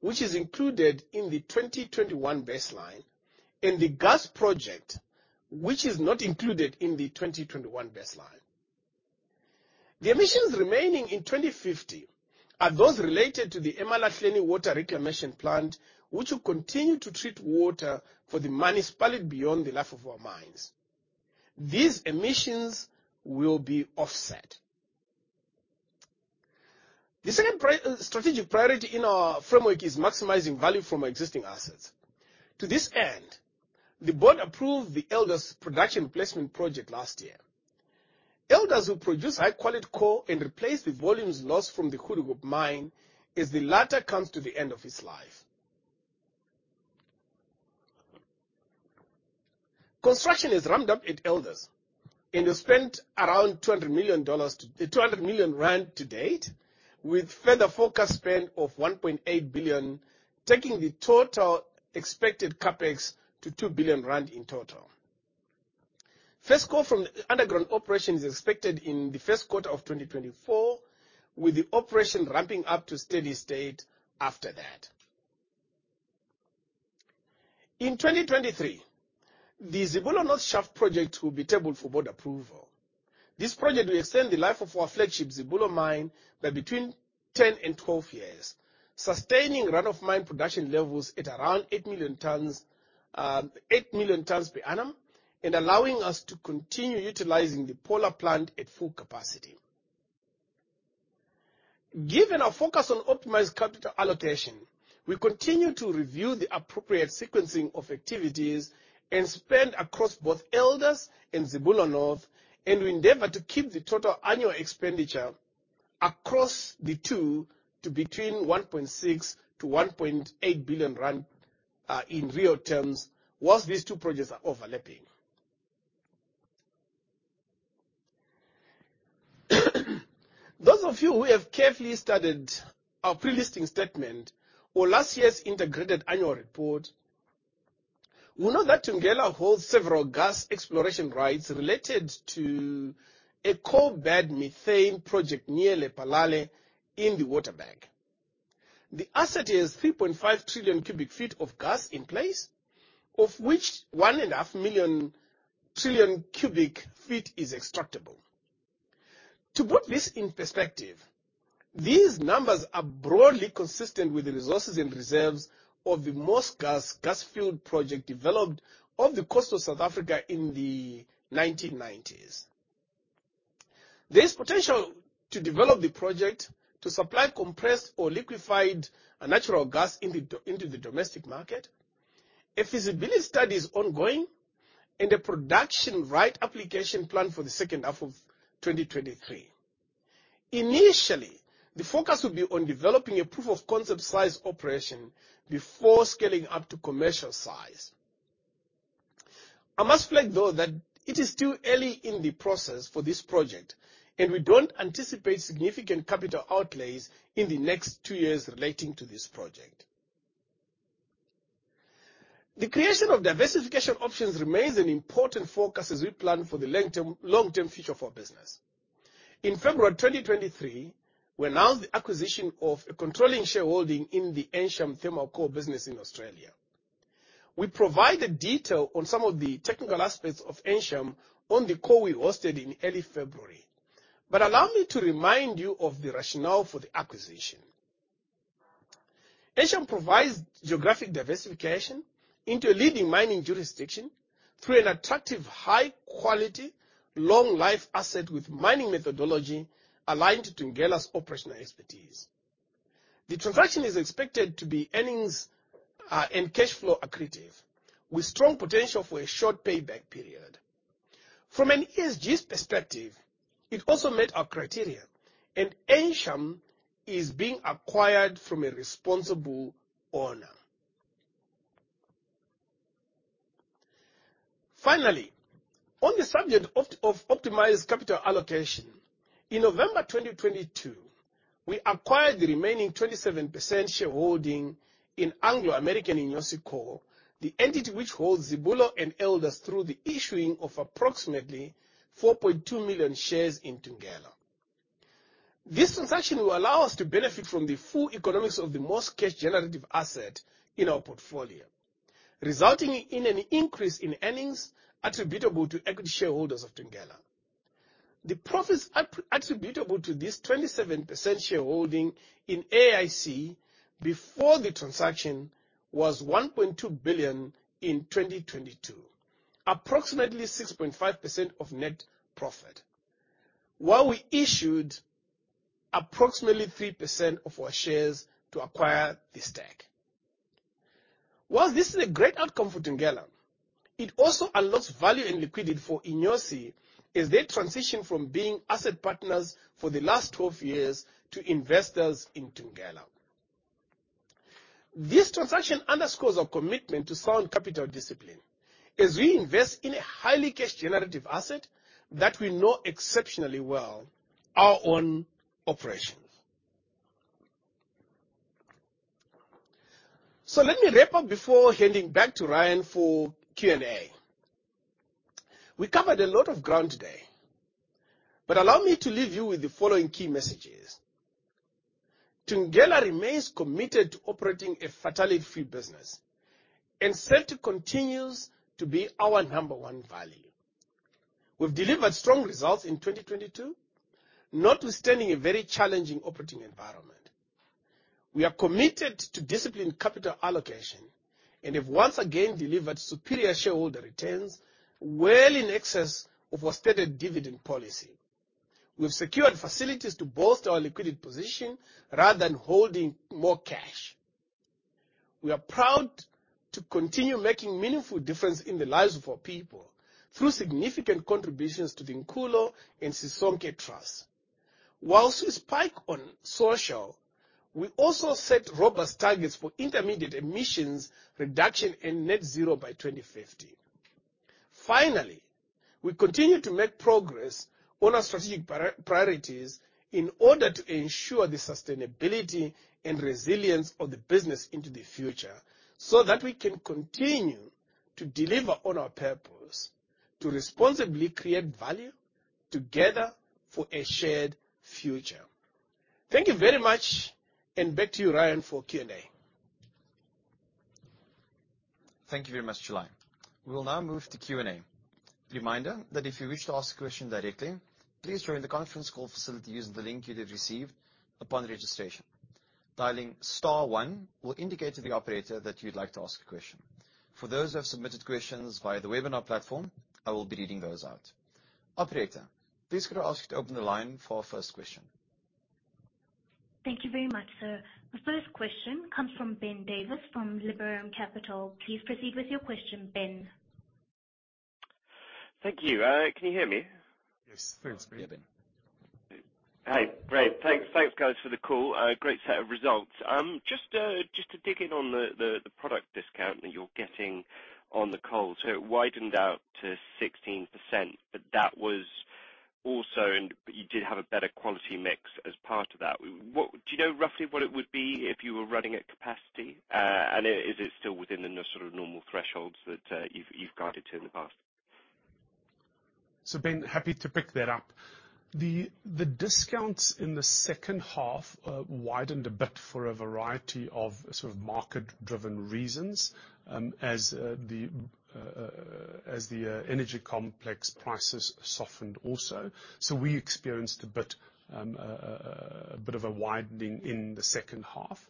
which is included in the 2021 baseline, and the gas project, which is not included in the 2021 baseline. The emissions remaining in 2050 are those related to the eMalahleni water reclamation plant, which will continue to treat water for the municipality beyond the life of our mines. These emissions will be offset. The second strategic priority in our framework is maximizing value from our existing assets. To this end, the board approved the Elders production placement project last year. Elders will produce high-quality coal and replace the volumes lost from the Kooroopp mine as the latter comes to the end of its life. Construction has ramped up at Elders, we spent around ZAR 200 million to date, with further forecast spend of 1.8 billion, taking the total expected CapEx to 2 billion rand in total. First coal from underground operation is expected in the first quarter of 2024, with the operation ramping up to steady state after that. In 2023, the Zibulo North Shaft project will be tabled for board approval. This project will extend the life of our flagship Zibulo mine by between 10 and 12 years, sustaining run-of-mine production levels at around eight million tons per annum, allowing us to continue utilizing the Phola plant at full capacity. Given our focus on optimized capital allocation, we continue to review the appropriate sequencing of activities and spend across both Elders and Zibulo North, and we endeavor to keep the total annual expenditure across the two to between 1.6 billion-1.8 billion rand in real terms once these two projects are overlapping. Those of you who have carefully studied our pre-listing statement or last year's integrated annual report will know that Thungela holds several gas exploration rights related to a coalbed methane project near Lephalale in the Waterberg. The asset has 3.5 trillion cubic feet of gas in place, of which one and a half million trillion cubic feet is extractable. To put this in perspective, these numbers are broadly consistent with the resources and reserves of the Mossgas gas field project developed off the coast of South Africa in the 1990s. There is potential to develop the project to supply compressed or liquefied natural gas into the domestic market. A feasibility study is ongoing and a production right application planned for the second half of 2023. Initially, the focus will be on developing a proof of concept size operation before scaling up to commercial size. I must flag though that it is still early in the process for this project, and we don't anticipate significant capital outlays in the next two years relating to this project. The creation of diversification options remains an important focus as we plan for the long-term future for our business. In February 2023, we announced the acquisition of a controlling shareholding in the Ensham thermal coal business in Australia. We provided detail on some of the technical aspects of Ensham on the call we hosted in early February. Allow me to remind you of the rationale for the acquisition. Ensham provides geographic diversification into a leading mining jurisdiction through an attractive, high-quality, long-life asset with mining methodology aligned to Thungela's operational expertise. The transaction is expected to be earnings and cash flow accretive, with strong potential for a short payback period. From an ESG perspective, it also met our criteria, and Ensham is being acquired from a responsible owner. Finally, on the subject of optimized capital allocation, in November 2022, we acquired the remaining 27% shareholding in Anglo American Inyosi Coal, the entity which holds Zibulo and Elders through the issuing of approximately 4.2 million shares in Thungela. This transaction will allow us to benefit from the full economics of the most cash generative asset in our portfolio, resulting in an increase in earnings attributable to equity shareholders of Thungela. The profits attributable to this 27% shareholding in AAIC before the transaction was 1.2 billion in 2022, approximately 6.5% of net profit. While we issued approximately 3% of our shares to acquire this stake. This is a great outcome for Thungela, it also unlocks value and liquidity for Inyosi as they transition from being asset partners for the last 12 years to investors in Thungela. This transaction underscores our commitment to sound capital discipline as we invest in a highly cash generative asset that we know exceptionally well, our own operations. Let me wrap up before handing back to Ryan for Q&A. We covered a lot of ground today, allow me to leave you with the following key messages. Thungela remains committed to operating a fatality-free business, and safety continues to be our number one value. We've delivered strong results in 2022, notwithstanding a very challenging operating environment. We are committed to disciplined capital allocation and have once again delivered superior shareholder returns well in excess of our stated dividend policy. We've secured facilities to bolster our liquidity position rather than holding more cash. We are proud to continue making meaningful difference in the lives of our people through significant contributions to the Nkulo and Sisonke Trust. Whilst we spike on social, we also set robust targets for intermediate emissions reduction and net zero by 2050. Finally, we continue to make progress on our strategic priorities in order to ensure the sustainability and resilience of the business into the future, so that we can continue to deliver on our purpose: to responsibly create value together for a shared future. Thank you very much, and back to you Ryan, for Q&A. Thank you very much, July. We'll now move to Q&A. Reminder that if you wish to ask a question directly, please join the conference call facility using the link you did receive upon registration. Dialing star one will indicate to the operator that you'd like to ask a question. For those who have submitted questions via the webinar platform, I will be reading those out. Operator, please could I ask you to open the line for our first question. Thank you very much sir. The first question comes from Ben Davis from Liberum Capital. Please proceed with your question, Ben. Thank you. Can you hear me? Yes. Yes. Go ahead Ben. Great. Thanks guys for the call, great set of results. Just to dig in on the product discount that you're getting on the coal. It widened out to 16%, but that was also, and you did have a better quality mix as part of that. Do you know roughly what it would be if you were running at capacity? Is it still within the sort of normal thresholds that you've guided to in the past? So Ben, happy to pick that up. The discounts in the second half widened a bit for a variety of sort of market-driven reasons, as the energy complex prices softened also. We experienced a bit of a widening in the second half.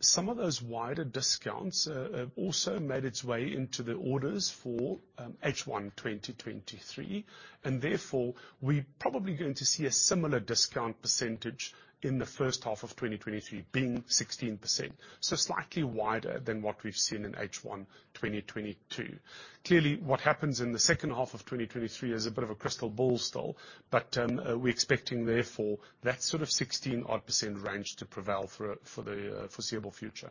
Some of those wider discounts also made its way into the orders for H1 2023, therefore we're probably going to see a similar discount percentage in the first half of 2023, being 16%. Slightly wider than what we've seen in H1 2022. Clearly, what happens in the second half of 2023 is a bit of a crystal ball still, we're expecting therefore that sort of 16 odd % range to prevail for the foreseeable future.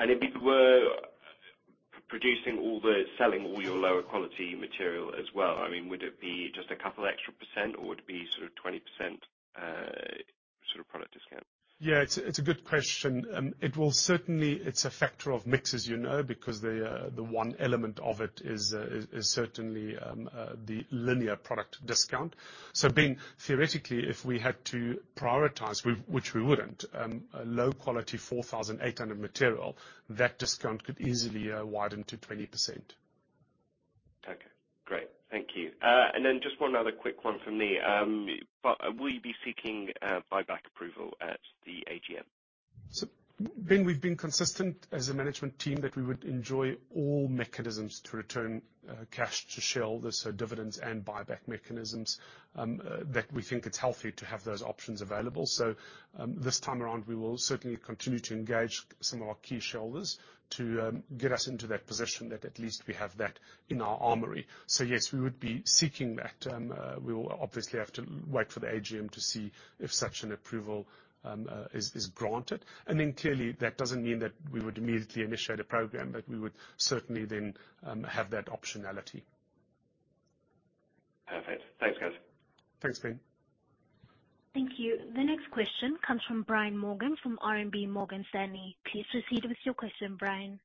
If you were producing all the selling, all your lower quality material as well, I mean, would it be just a couple extra %, or would it be sort of 20% sort of product discount? Yeah, it's a good question. It will certainly, it's a factor of mix, as you know, because the one element of it is certainly the linear product discount. Ben, theoretically, if we had to prioritize, which we wouldn't, a low quality 4,800 material, that discount could easily widen to 20%. Okay great. Thank you. Then just one other quick one from me. Will you be seeking buyback approval at the AGM? Ben, we've been consistent as a management team that we would enjoy all mechanisms to return cash to shareholders, so dividends and buyback mechanisms, that we think it's healthy to have those options available. This time around, we will certainly continue to engage some of our key shareholders to get us into that position that at least we have that in our armory. Yes, we would be seeking that. We will obviously have to wait for the AGM to see if such an approval is granted. Clearly that doesn't mean that we would immediately initiate a program, but we would certainly then have that optionality. Perfect. Thanks, guys. Thanks Ben. Thank you. The next question comes from Brian Morgan from RMB Morgan Stanley. Please proceed with your question, Brian.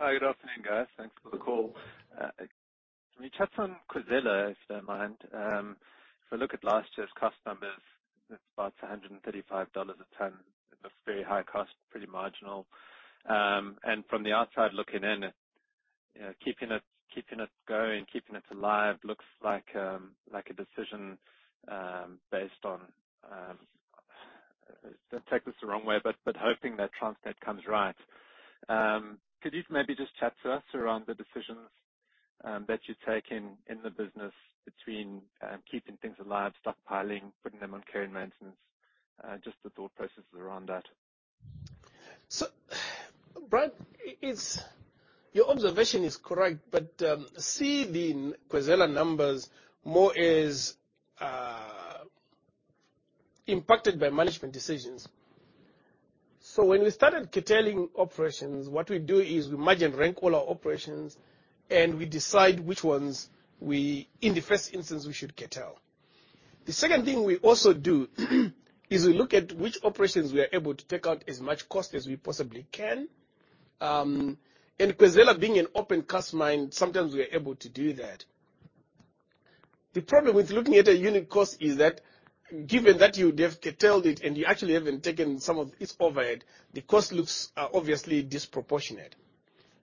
Hi good afternoon guys. Thanks for the call. Can you chat on Khwezela, if you don't mind? If I look at last year's cost numbers, it's about $135 a ton. It looks very high cost, pretty marginal. From the outside looking in, you know, keeping it going, keeping it alive, looks like a decision based on don't take this the wrong way, but hoping that Transnet comes right. Could you maybe just chat to us around the decisions that you're taking in the business between keeping things alive, stockpiling, putting them on care and maintenance? Just the thought processes around that. Brian, your observation is correct, but see the Khwezela numbers more as impacted by management decisions. When we started curtailing operations, what we do is we measure and rank all our operations, and we decide which ones we, in the first instance, we should curtail. The second thing we also do is we look at which operations we are able to take out as much cost as we possibly can. Khwezela, being an opencast mine, sometimes we are able to do that. The problem with looking at a unit cost is that given that you'd have curtailed it and you actually haven't taken some of its overhead, the cost looks obviously disproportionate.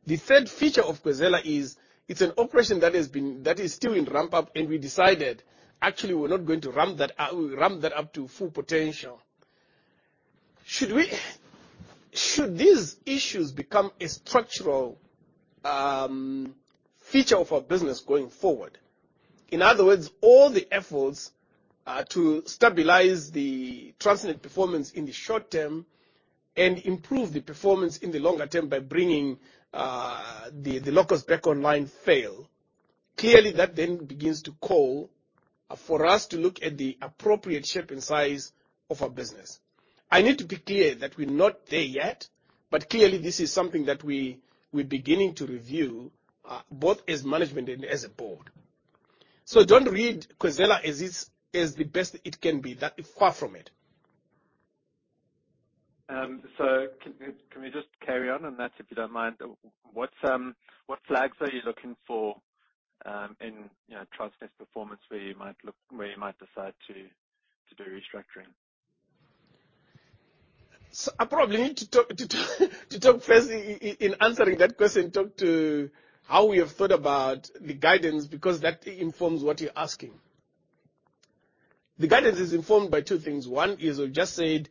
The third feature of Khwezela is it's an operation that is still in ramp up, and we decided, actually we're not going to ramp that up. We'll ramp that up to full potential. Should these issues become a structural feature of our business going forward. In other words, all the efforts to stabilize the Transnet performance in the short term and improve the performance in the longer term by bringing the locos back online fail. Clearly, that then begins to call for us to look at the appropriate shape and size of our business. I need to be clear that we're not there yet, but clearly, this is something that we're beginning to review both as management and as a board. Don't read Khwezela as it's, as the best it can be. That is far from it. Can we just carry on on that, if you don't mind? What flags are you looking for, in, you know, Transnet's performance where you might decide to do restructuring? I probably need to talk first in answering that question, talk to how we have thought about the guidance, because that informs what you're asking. The guidance is informed by 2 things. One is we've just said,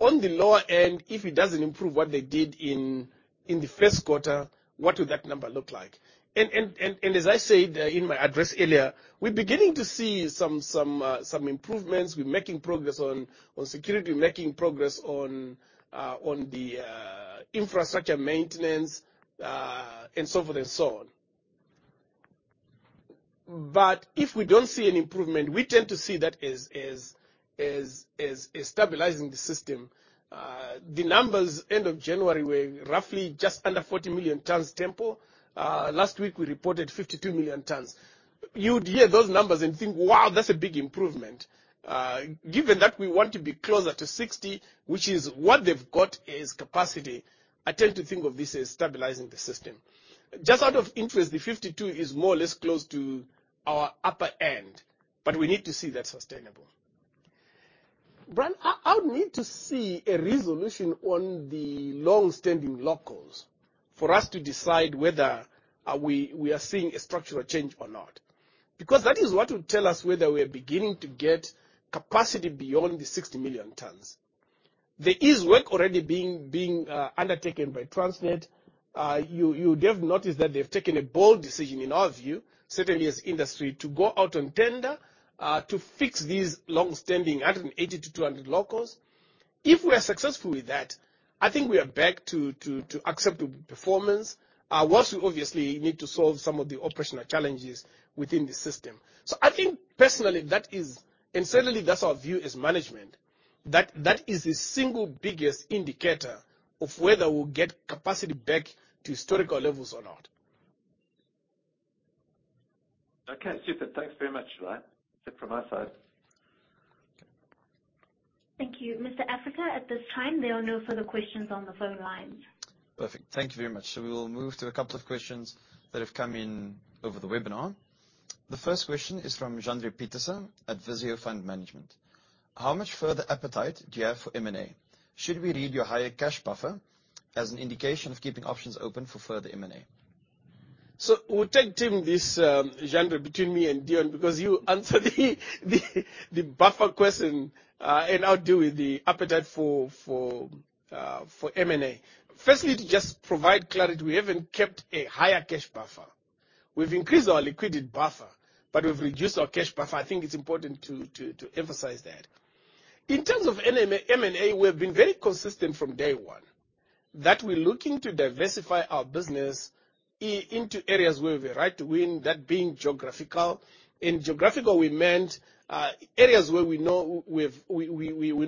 on the lower end, if it doesn't improve what they did in the first quarter, what would that number look like? As I said, in my address earlier, we're beginning to see some improvements. We're making progress on security. We're making progress on the infrastructure maintenance, and so forth and so on. If we don't see an improvement, we tend to see that as stabilizing the system. The numbers end of January were roughly just under 40 million tons tempo. Last week we reported 52 million tons. You'd hear those numbers and think, "Wow, that's a big improvement." Given that we want to be closer to 60, which is what they've got as capacity, I tend to think of this as stabilizing the system. Just out of interest, the 52 is more or less close to our upper end, but we need to see that sustainable. Brian, I'll need to see a resolution on the long-standing locos for us to decide whether we are seeing a structural change or not. That is what will tell us whether we are beginning to get capacity beyond the 60 million tons. There is work already being undertaken by Transnet. You would have noticed that they've taken a bold decision, in our view, certainly as industry, to go out on tender to fix these long-standing 180-200 locos. If we are successful with that, I think we are back to acceptable performance whilst we obviously need to solve some of the operational challenges within the system. I think personally that is, and certainly that's our view as management, that that is the single biggest indicator of whether we'll get capacity back to historical levels or not. Okay. Super. Thanks very much, Brian. That's it from my side. Thank you. Mr. Africa, at this time, there are no further questions on the phone lines. Perfect. Thank you very much. We will move to a couple of questions that have come in over the webinar. The first question is from Jandré Pieterse at Visio Fund Management. How much further appetite do you have for M&A? Should we read your higher cash buffer as an indication of keeping options open for further M&A? We'll take Tim this Jandré between me and Deon, because you answer the buffer question. I'll deal with the appetite for M&A. Firstly, to just provide clarity, we haven't kept a higher cash buffer. We've increased our liquidity buffer, but we've reduced our cash buffer. I think it's important to emphasize that. In terms of M&A, we have been very consistent from day one that we're looking to diversify our business into areas where we've a right to win, that being geographical. In geographical, we meant areas where we know we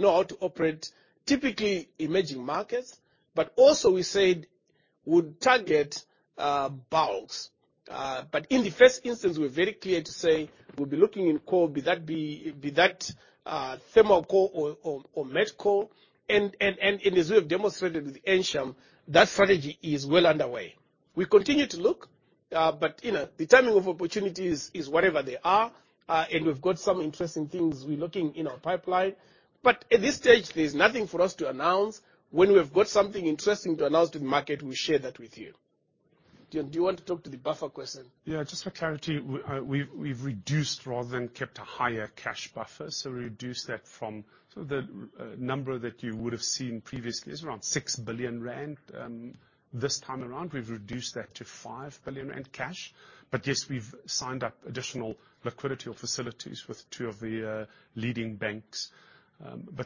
know how to operate, typically emerging markets. Also we said- Would target bulks. In the first instance, we're very clear to say we'll be looking in coal, be that thermal coal or met coal. As we have demonstrated with Ensham, that strategy is well underway. We continue to look, you know, the timing of opportunities is whenever they are. We've got some interesting things we're looking in our pipeline, but at this stage, there's nothing for us to announce. When we have got something interesting to announce to the market, we'll share that with you. Deon, do you want to talk to the buffer question? Yeah. Just for clarity, we've reduced rather than kept a higher cash buffer, so reduced that from the number that you would've seen previously is around 6 billion rand. This time around, we've reduced that to 5 billion rand cash. Yes, we've signed up additional liquidity of facilities with two of the leading banks.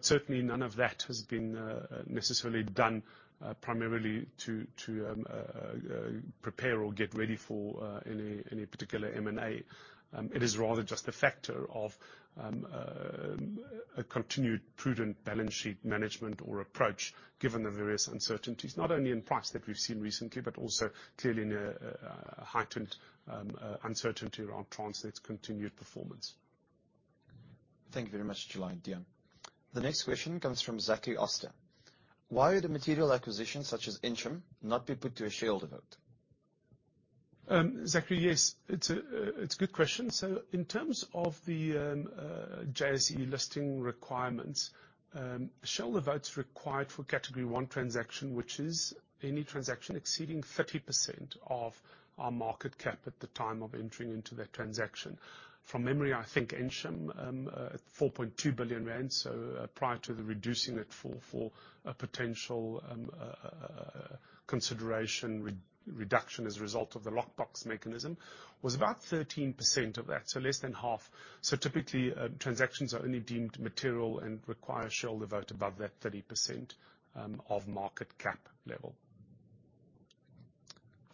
Certainly none of that has been necessarily done primarily to prepare or get ready for any particular M&A. It is rather just a factor of a continued prudent balance sheet management or approach given the various uncertainties, not only in price that we've seen recently, but also clearly in a heightened uncertainty around Transnet's continued performance. Thank you very much July and Deon. The next question comes from Zachary Oster. Why would a material acquisition such as Ensham not be put to a shareholder vote? Zachary, yes, it's a good question. In terms of the JSE Listings Requirements, shareholder vote's required for Category one transaction, which is any transaction exceeding 30% of our market cap at the time of entering into that transaction. From memory, I think Ensham at 4.2 billion rand, so prior to the reducing it for a potential consideration re-reduction as a result of the lockbox mechanism, was about 13% of that, so less than half. Typically, transactions are only deemed material and require shareholder vote above that 30% of market cap level.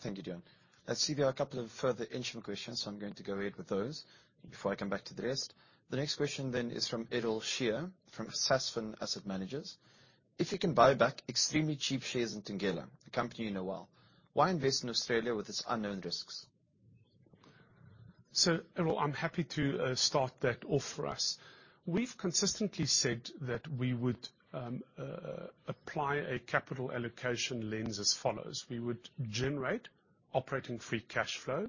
Thank you Deon. I see there are a couple of further Ensham questions, I'm going to go ahead with those before I come back to the rest. The next question is from Errol Shear from Sasfin Asset Managers. If you can buy back extremely cheap shares in Thungela, a company you know well, why invest in Australia with its unknown risks? Errol, I'm happy to start that off for us. We've consistently said that we would apply a capital allocation lens as follows: We would generate operating free cash flow,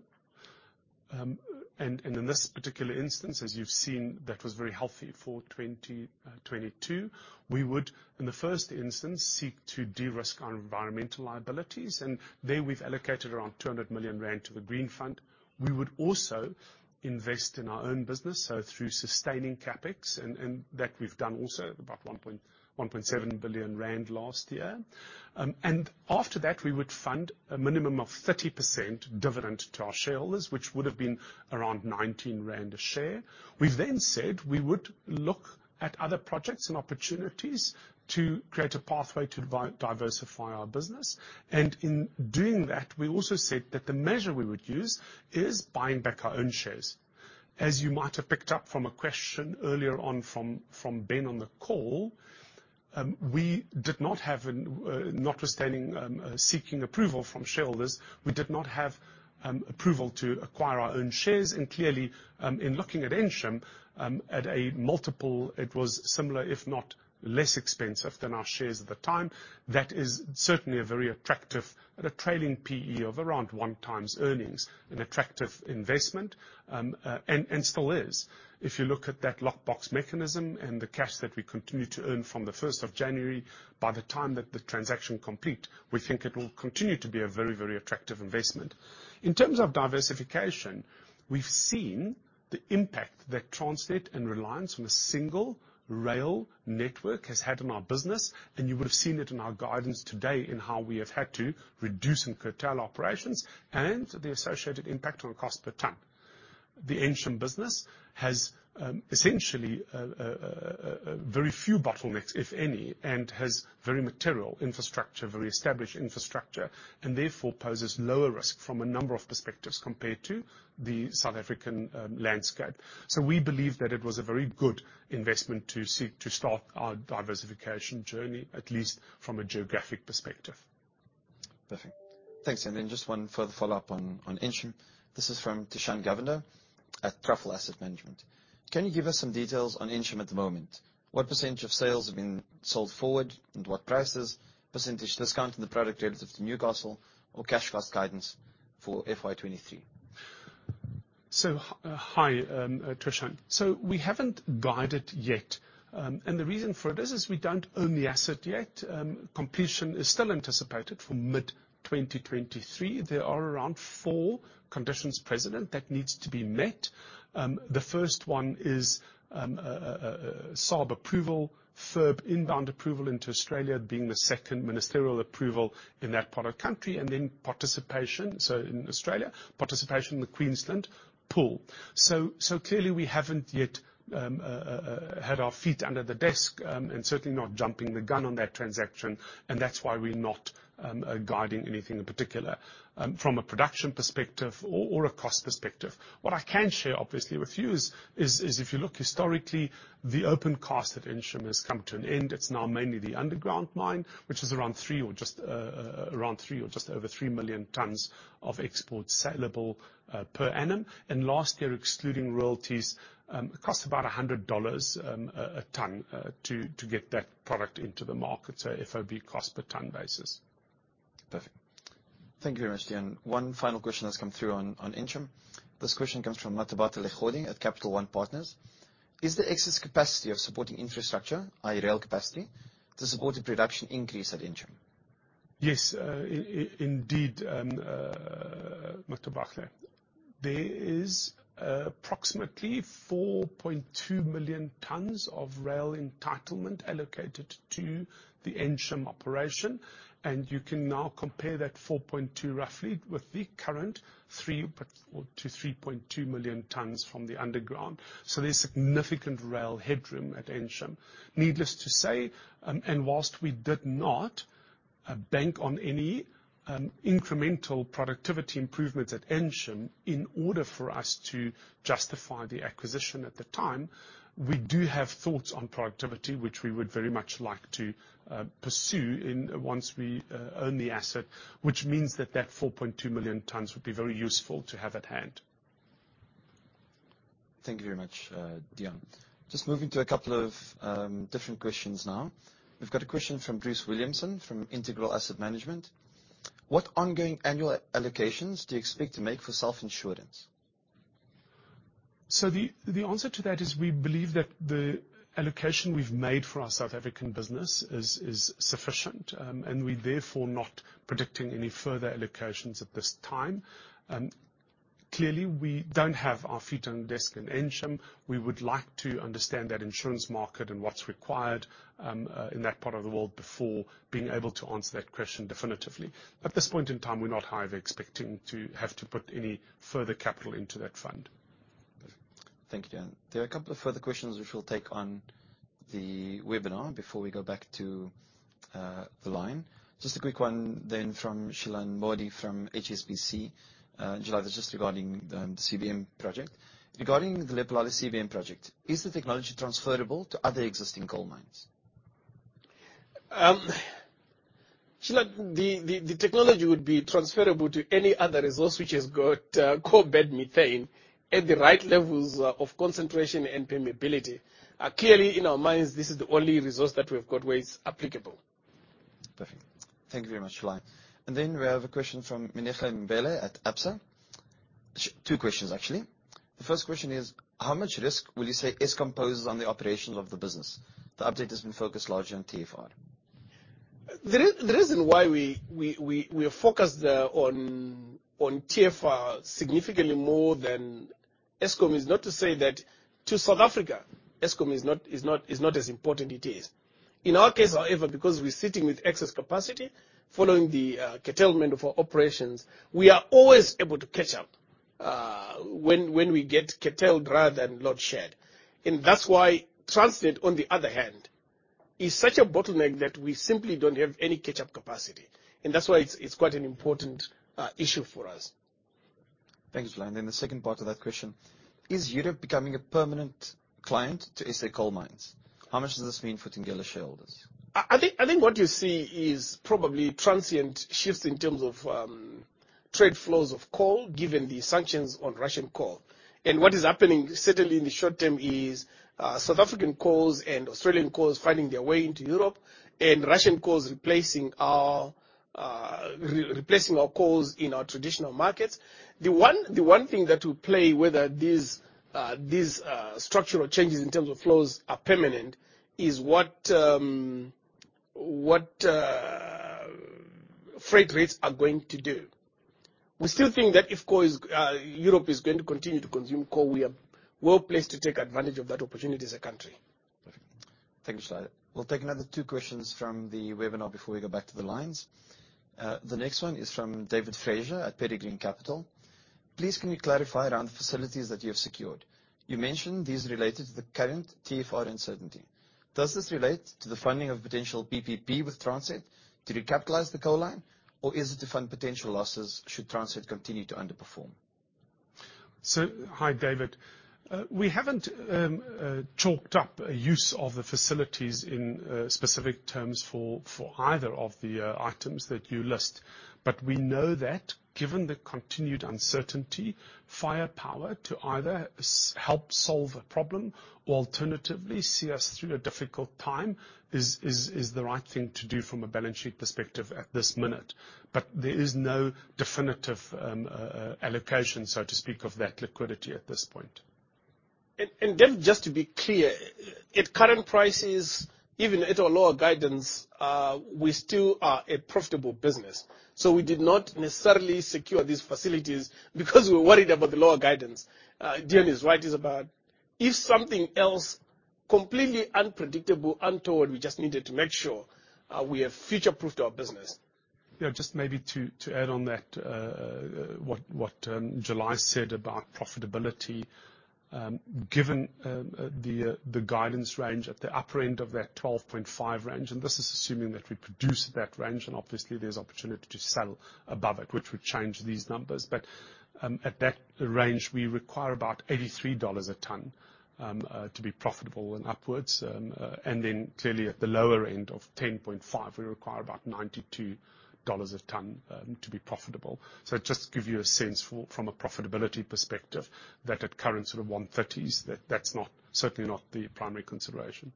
and in this particular instance, as you've seen, that was very healthy for 2022. We would, in the first instance, seek to de-risk our environmental liabilities, and there we've allocated around 200 million rand to the green fund. We would also invest in our own business, so through sustaining CapEx, and that we've done also, 1.7 billion rand last year. After that, we would fund a minimum of 30% dividend to our shareholders, which would've been around 19 rand a share. We've said we would look at other projects and opportunities to create a pathway to diversify our business, and in doing that, we also said that the measure we would use is buying back our own shares. As you might have picked up from a question earlier on from Ben on the call, we did not have notwithstanding seeking approval from shareholders, we did not have approval to acquire our own shares, and clearly, in looking at Ensham, at a multiple, it was similar if not less expensive than our shares at the time. That is certainly a very attractive at a trailing P/E of around one times earnings, an attractive investment, and still is. If you look at that lockbox mechanism and the cash that we continue to earn from the 1st of January, by the time that the transaction complete, we think it'll continue to be a very, very attractive investment. In terms of diversification, we've seen the impact that Transnet and reliance from a single rail network has had on our business, and you would've seen it in our guidance today in how we have had to reduce and curtail operations and the associated impact on cost per ton. The Ensham business has essentially very few bottlenecks, if any, and has very material infrastructure, very established infrastructure, and therefore poses lower risk from a number of perspectives compared to the South African landscape. We believe that it was a very good investment to seek to start our diversification journey, at least from a geographic perspective. Perfect. Thanks. Just one further follow-up on Ensham. This is from Thishan Govender at Truffle Asset Management. Can you give us some details on Ensham at the moment? What % of sales have been sold forward and what prices, % discount on the product relative to Newcastle or cash cost guidance for FY23? Hi Trishane. We haven't guided yet, and the reason for it is, we don't own the asset yet. Completion is still anticipated for mid-2023. There are around four conditions present that needs to be met. The first one is SOP approval, FIRB inbound approval into Australia being the second ministerial approval in that product country, and then participation, so in Australia, participation in the Queensland pool. Clearly we haven't yet had our feet under the desk, and certainly not jumping the gun on that transaction, and that's why we're not guiding anything in particular from a production perspective or a cost perspective. What I can share obviously with you is, if you look historically, the open cost at Ensham has come to an end. It's now mainly the underground mine, which is around three or just over 3 million tons of export sellable per annum. Last year, excluding royalties, it cost about $100 a ton to get that product into the market, so FOB cost per ton basis. Perfect. Thank you very much, Dion. One final question that's come through on Ensham. This question comes from Matabale Khodi at Capital One Partners. Is the excess capacity of supporting infrastructure, i.e. rail capacity, to support the production increase at Ensham? Yes, indeed Matabale. There is approximately 4.2 million tons of rail entitlement allocated to the Ensham operation. You can now compare that 4.2 roughly with the current 3.4 million-3.2 million tons from the underground. There's significant rail headroom at Ensham. Needless to say, whilst we did not bank on any incremental productivity improvements at Ensham in order for us to justify the acquisition at the time, we do have thoughts on productivity, which we would very much like to pursue once we own the asset, which means that that 4.2 million tons would be very useful to have at hand. Thank you very much, Dion. Just moving to a couple of different questions now. We've got a question from Bruce Williamson from Integral Asset Management. What ongoing annual allocations do you expect to make for self-insurance? The answer to that is we believe that the allocation we've made for our South African business is sufficient, and we're therefore not predicting any further allocations at this time. Clearly, we don't have our feet on desk in Ensham. We would like to understand that insurance market and what's required in that part of the world before being able to answer that question definitively. At this point in time, we're not highly expecting to have to put any further capital into that fund. Thank you, Deon. There are a couple of further questions which we'll take on the webinar before we go back to the line. Just a quick one then from Shilan Modi from HSBC. Shilan, this is just regarding CBM project. Regarding the Lephalale CBM project, is the technology transferable to other existing coal mines? Shilan, the technology would be transferable to any other resource which has got coalbed methane at the right levels of concentration and permeability. Clearly, in our minds, this is the only resource that we've got where it's applicable. Perfect. Thank you very much Shilan. We have a question from Minenhle Mbele at Absa. Two questions, actually. The first question is, how much risk will you say Eskom poses on the operation of the business? The update has been focused largely on TFR. The reason why we are focused on TFR significantly more than Eskom is not to say that to South Africa, Eskom is not as important it is. In our case, however, because we're sitting with excess capacity following the curtailment of our operations, we are always able to catch up when we get curtailed rather than load shed. That's why Transnet, on the other hand, is such a bottleneck that we simply don't have any catch-up capacity. That's why it's quite an important issue for us. Thank you Shilan. The second part of that question. Is Europe becoming a permanent client to SA Coal Mines? How much does this mean for Thungela shareholders? I think what you see is probably transient shifts in terms of trade flows of coal, given the sanctions on Russian coal, and what is happening certainly in the short term is South African coals and Australian coals finding their way into Europe, and Russian coals replacing our coals in our traditional markets. The one thing that will play whether these structural changes in terms of flows are permanent is what freight rates are going to do. We still think that if coal is Europe is going to continue to consume coal, we are well placed to take advantage of that opportunity as a country. Perfect. Thank you Shilan. We'll take another two questions from the webinar before we go back to the lines. The next one is from David Fraser at Peregrine Capital. Please, can you clarify around the facilities that you have secured? You mentioned these related to the current TFR uncertainty. Does this relate to the funding of potential PPP with Transnet to recapitalize the coal line, or is it to fund potential losses should Transnet continue to underperform? So hi David. We haven't chalked up a use of the facilities in specific terms for either of the items that you list. We know that given the continued uncertainty, firepower to either help solve a problem or alternatively see us through a difficult time is the right thing to do from a balance sheet perspective at this minute. There is no definitive allocation, so to speak, of that liquidity at this point. Just to be clear, at current prices, even at our lower guidance, we still are a profitable business. We did not necessarily secure these facilities because we're worried about the lower guidance. Deon is right, it's about if something else completely unpredictable, untold, we just needed to make sure we have future-proofed our business. Just maybe to add on that, what July said about profitability, given the guidance range at the upper end of that 12.5 range, this is assuming that we produce at that range, obviously there's opportunity to sell above it, which would change these numbers. At that range, we require about $83 a ton to be profitable and upwards. Clearly at the lower end of 10.5, we require about $92 a ton to be profitable. Just to give you a sense from a profitability perspective, that at current sort of 130s, that's not, certainly not the primary consideration.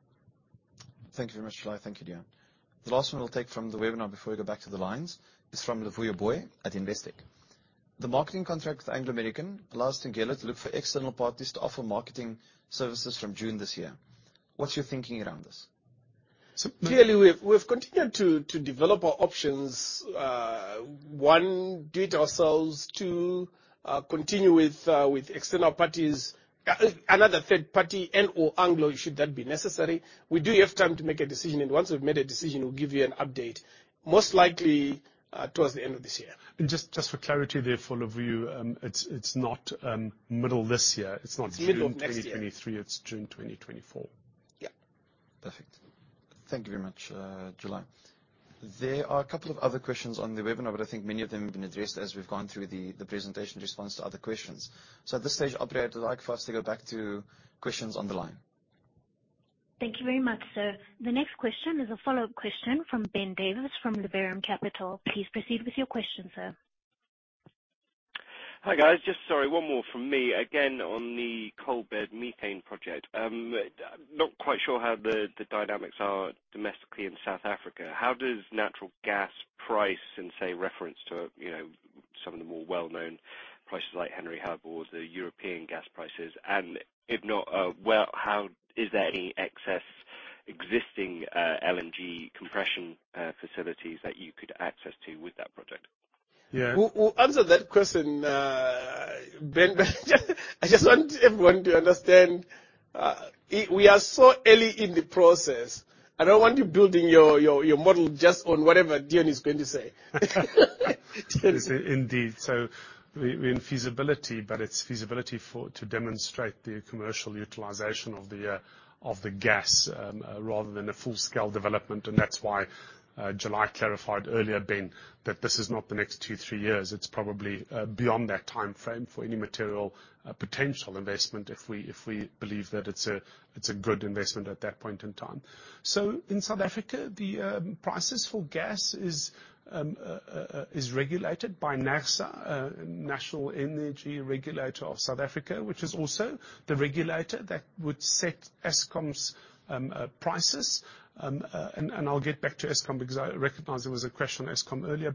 Thank you very much July, and thank you Deon. The last one we'll take from the webinar before we go back to the lines is from Luvuyo Booi at Investec. The marketing contract with Anglo American allows Thungela to look for external parties to offer marketing services from June this year. What's your thinking around this? Clearly, we've continued to develop our options. One, do it ourselves, two, continue with external parties, another third party and/or Anglo should that be necessary. We do have time to make a decision, and once we've made a decision, we'll give you an update, most likely, towards the end of this year. Just for clarity there for Luvuyo, it's not middle this year. The end of next year.... June 2023, it's June 2024. Yeah. Perfect. Thank you very much July. There are a couple of other questions on the webinar, but I think many of them have been addressed as we've gone through the presentation in response to other questions. At this stage, operator, I'd like for us to go back to questions on the line. Thank you very much sir. The next question is a follow-up question from Ben Davis from Liberum Capital. Please proceed with your question sir. Hi guys. Just sorry, one more from me. Again, on the coalbed methane project. Not quite sure how the dynamics are domestically in South Africa. How does natural gas price in, say, reference to, you know, some of the more well-known prices like Henry Hub or the European gas prices? If not, well, is there any excess existing LNG compression facilities that you could access to with that project? Yeah. We'll answer that question Ben, I just want everyone to understand, we are so early in the process. I don't want you building your model just on whatever Deon is going to say. Indeed. We in feasibility, but it's feasibility to demonstrate the commercial utilization of the gas, rather than a full-scale development, and that's why July clarified earlier, Ben, that this is not the next two, three years. It's probably beyond that timeframe for any material potential investment if we believe that it's a good investment at that point in time. In South Africa, the prices for gas is regulated by NERSA, National Energy Regulator of South Africa, which is also the regulator that would set Eskom's prices. And I'll get back to Eskom because I recognize there was a question on Eskom earlier.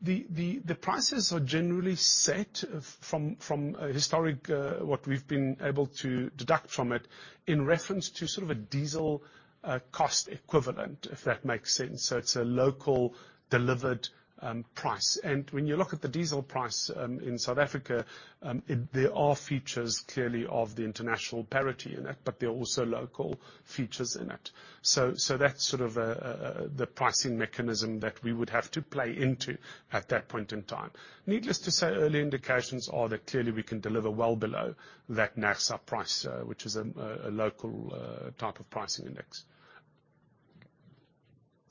The prices are generally set from a historic what we've been able to deduct from it in reference to sort of a diesel cost equivalent, if that makes sense. It's a local delivered price. When you look at the diesel price in South Africa, there are features clearly of the international parity in it, but there are also local features in it. That's sort of the pricing mechanism that we would have to play into at that point in time. Needless to say, early indications are that clearly we can deliver well below that NERSA price, which is a local type of pricing index.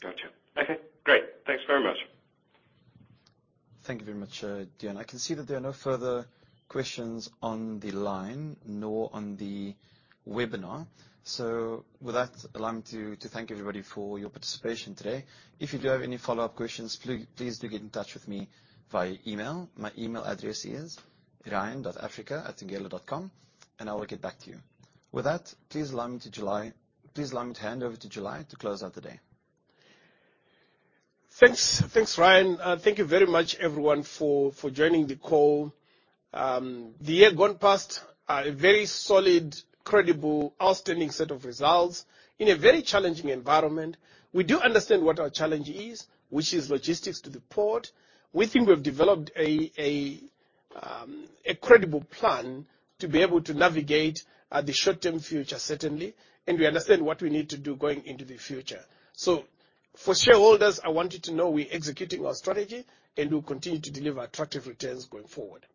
Gotcha. Okay Great. Thanks very much. Thank you very much Deon. I can see that there are no further questions on the line nor on the webinar. With that, allow me to thank everybody for your participation today. If you do have any follow-up questions, please do get in touch with me via email. My email address is ryan.africa@thungela.com and I will get back to you. With that, please allow me to hand over to July to close out the day. Thanks. Thanks Ryan. Thank you very much everyone for joining the call. The year gone past, a very solid, credible, outstanding set of results in a very challenging environment. We do understand what our challenge is, which is logistics to the port. We think we've developed a credible plan to be able to navigate the short-term future, certainly, and we understand what we need to do going into the future. For shareholders, I want you to know we're executing our strategy, and we'll continue to deliver attractive returns going forward.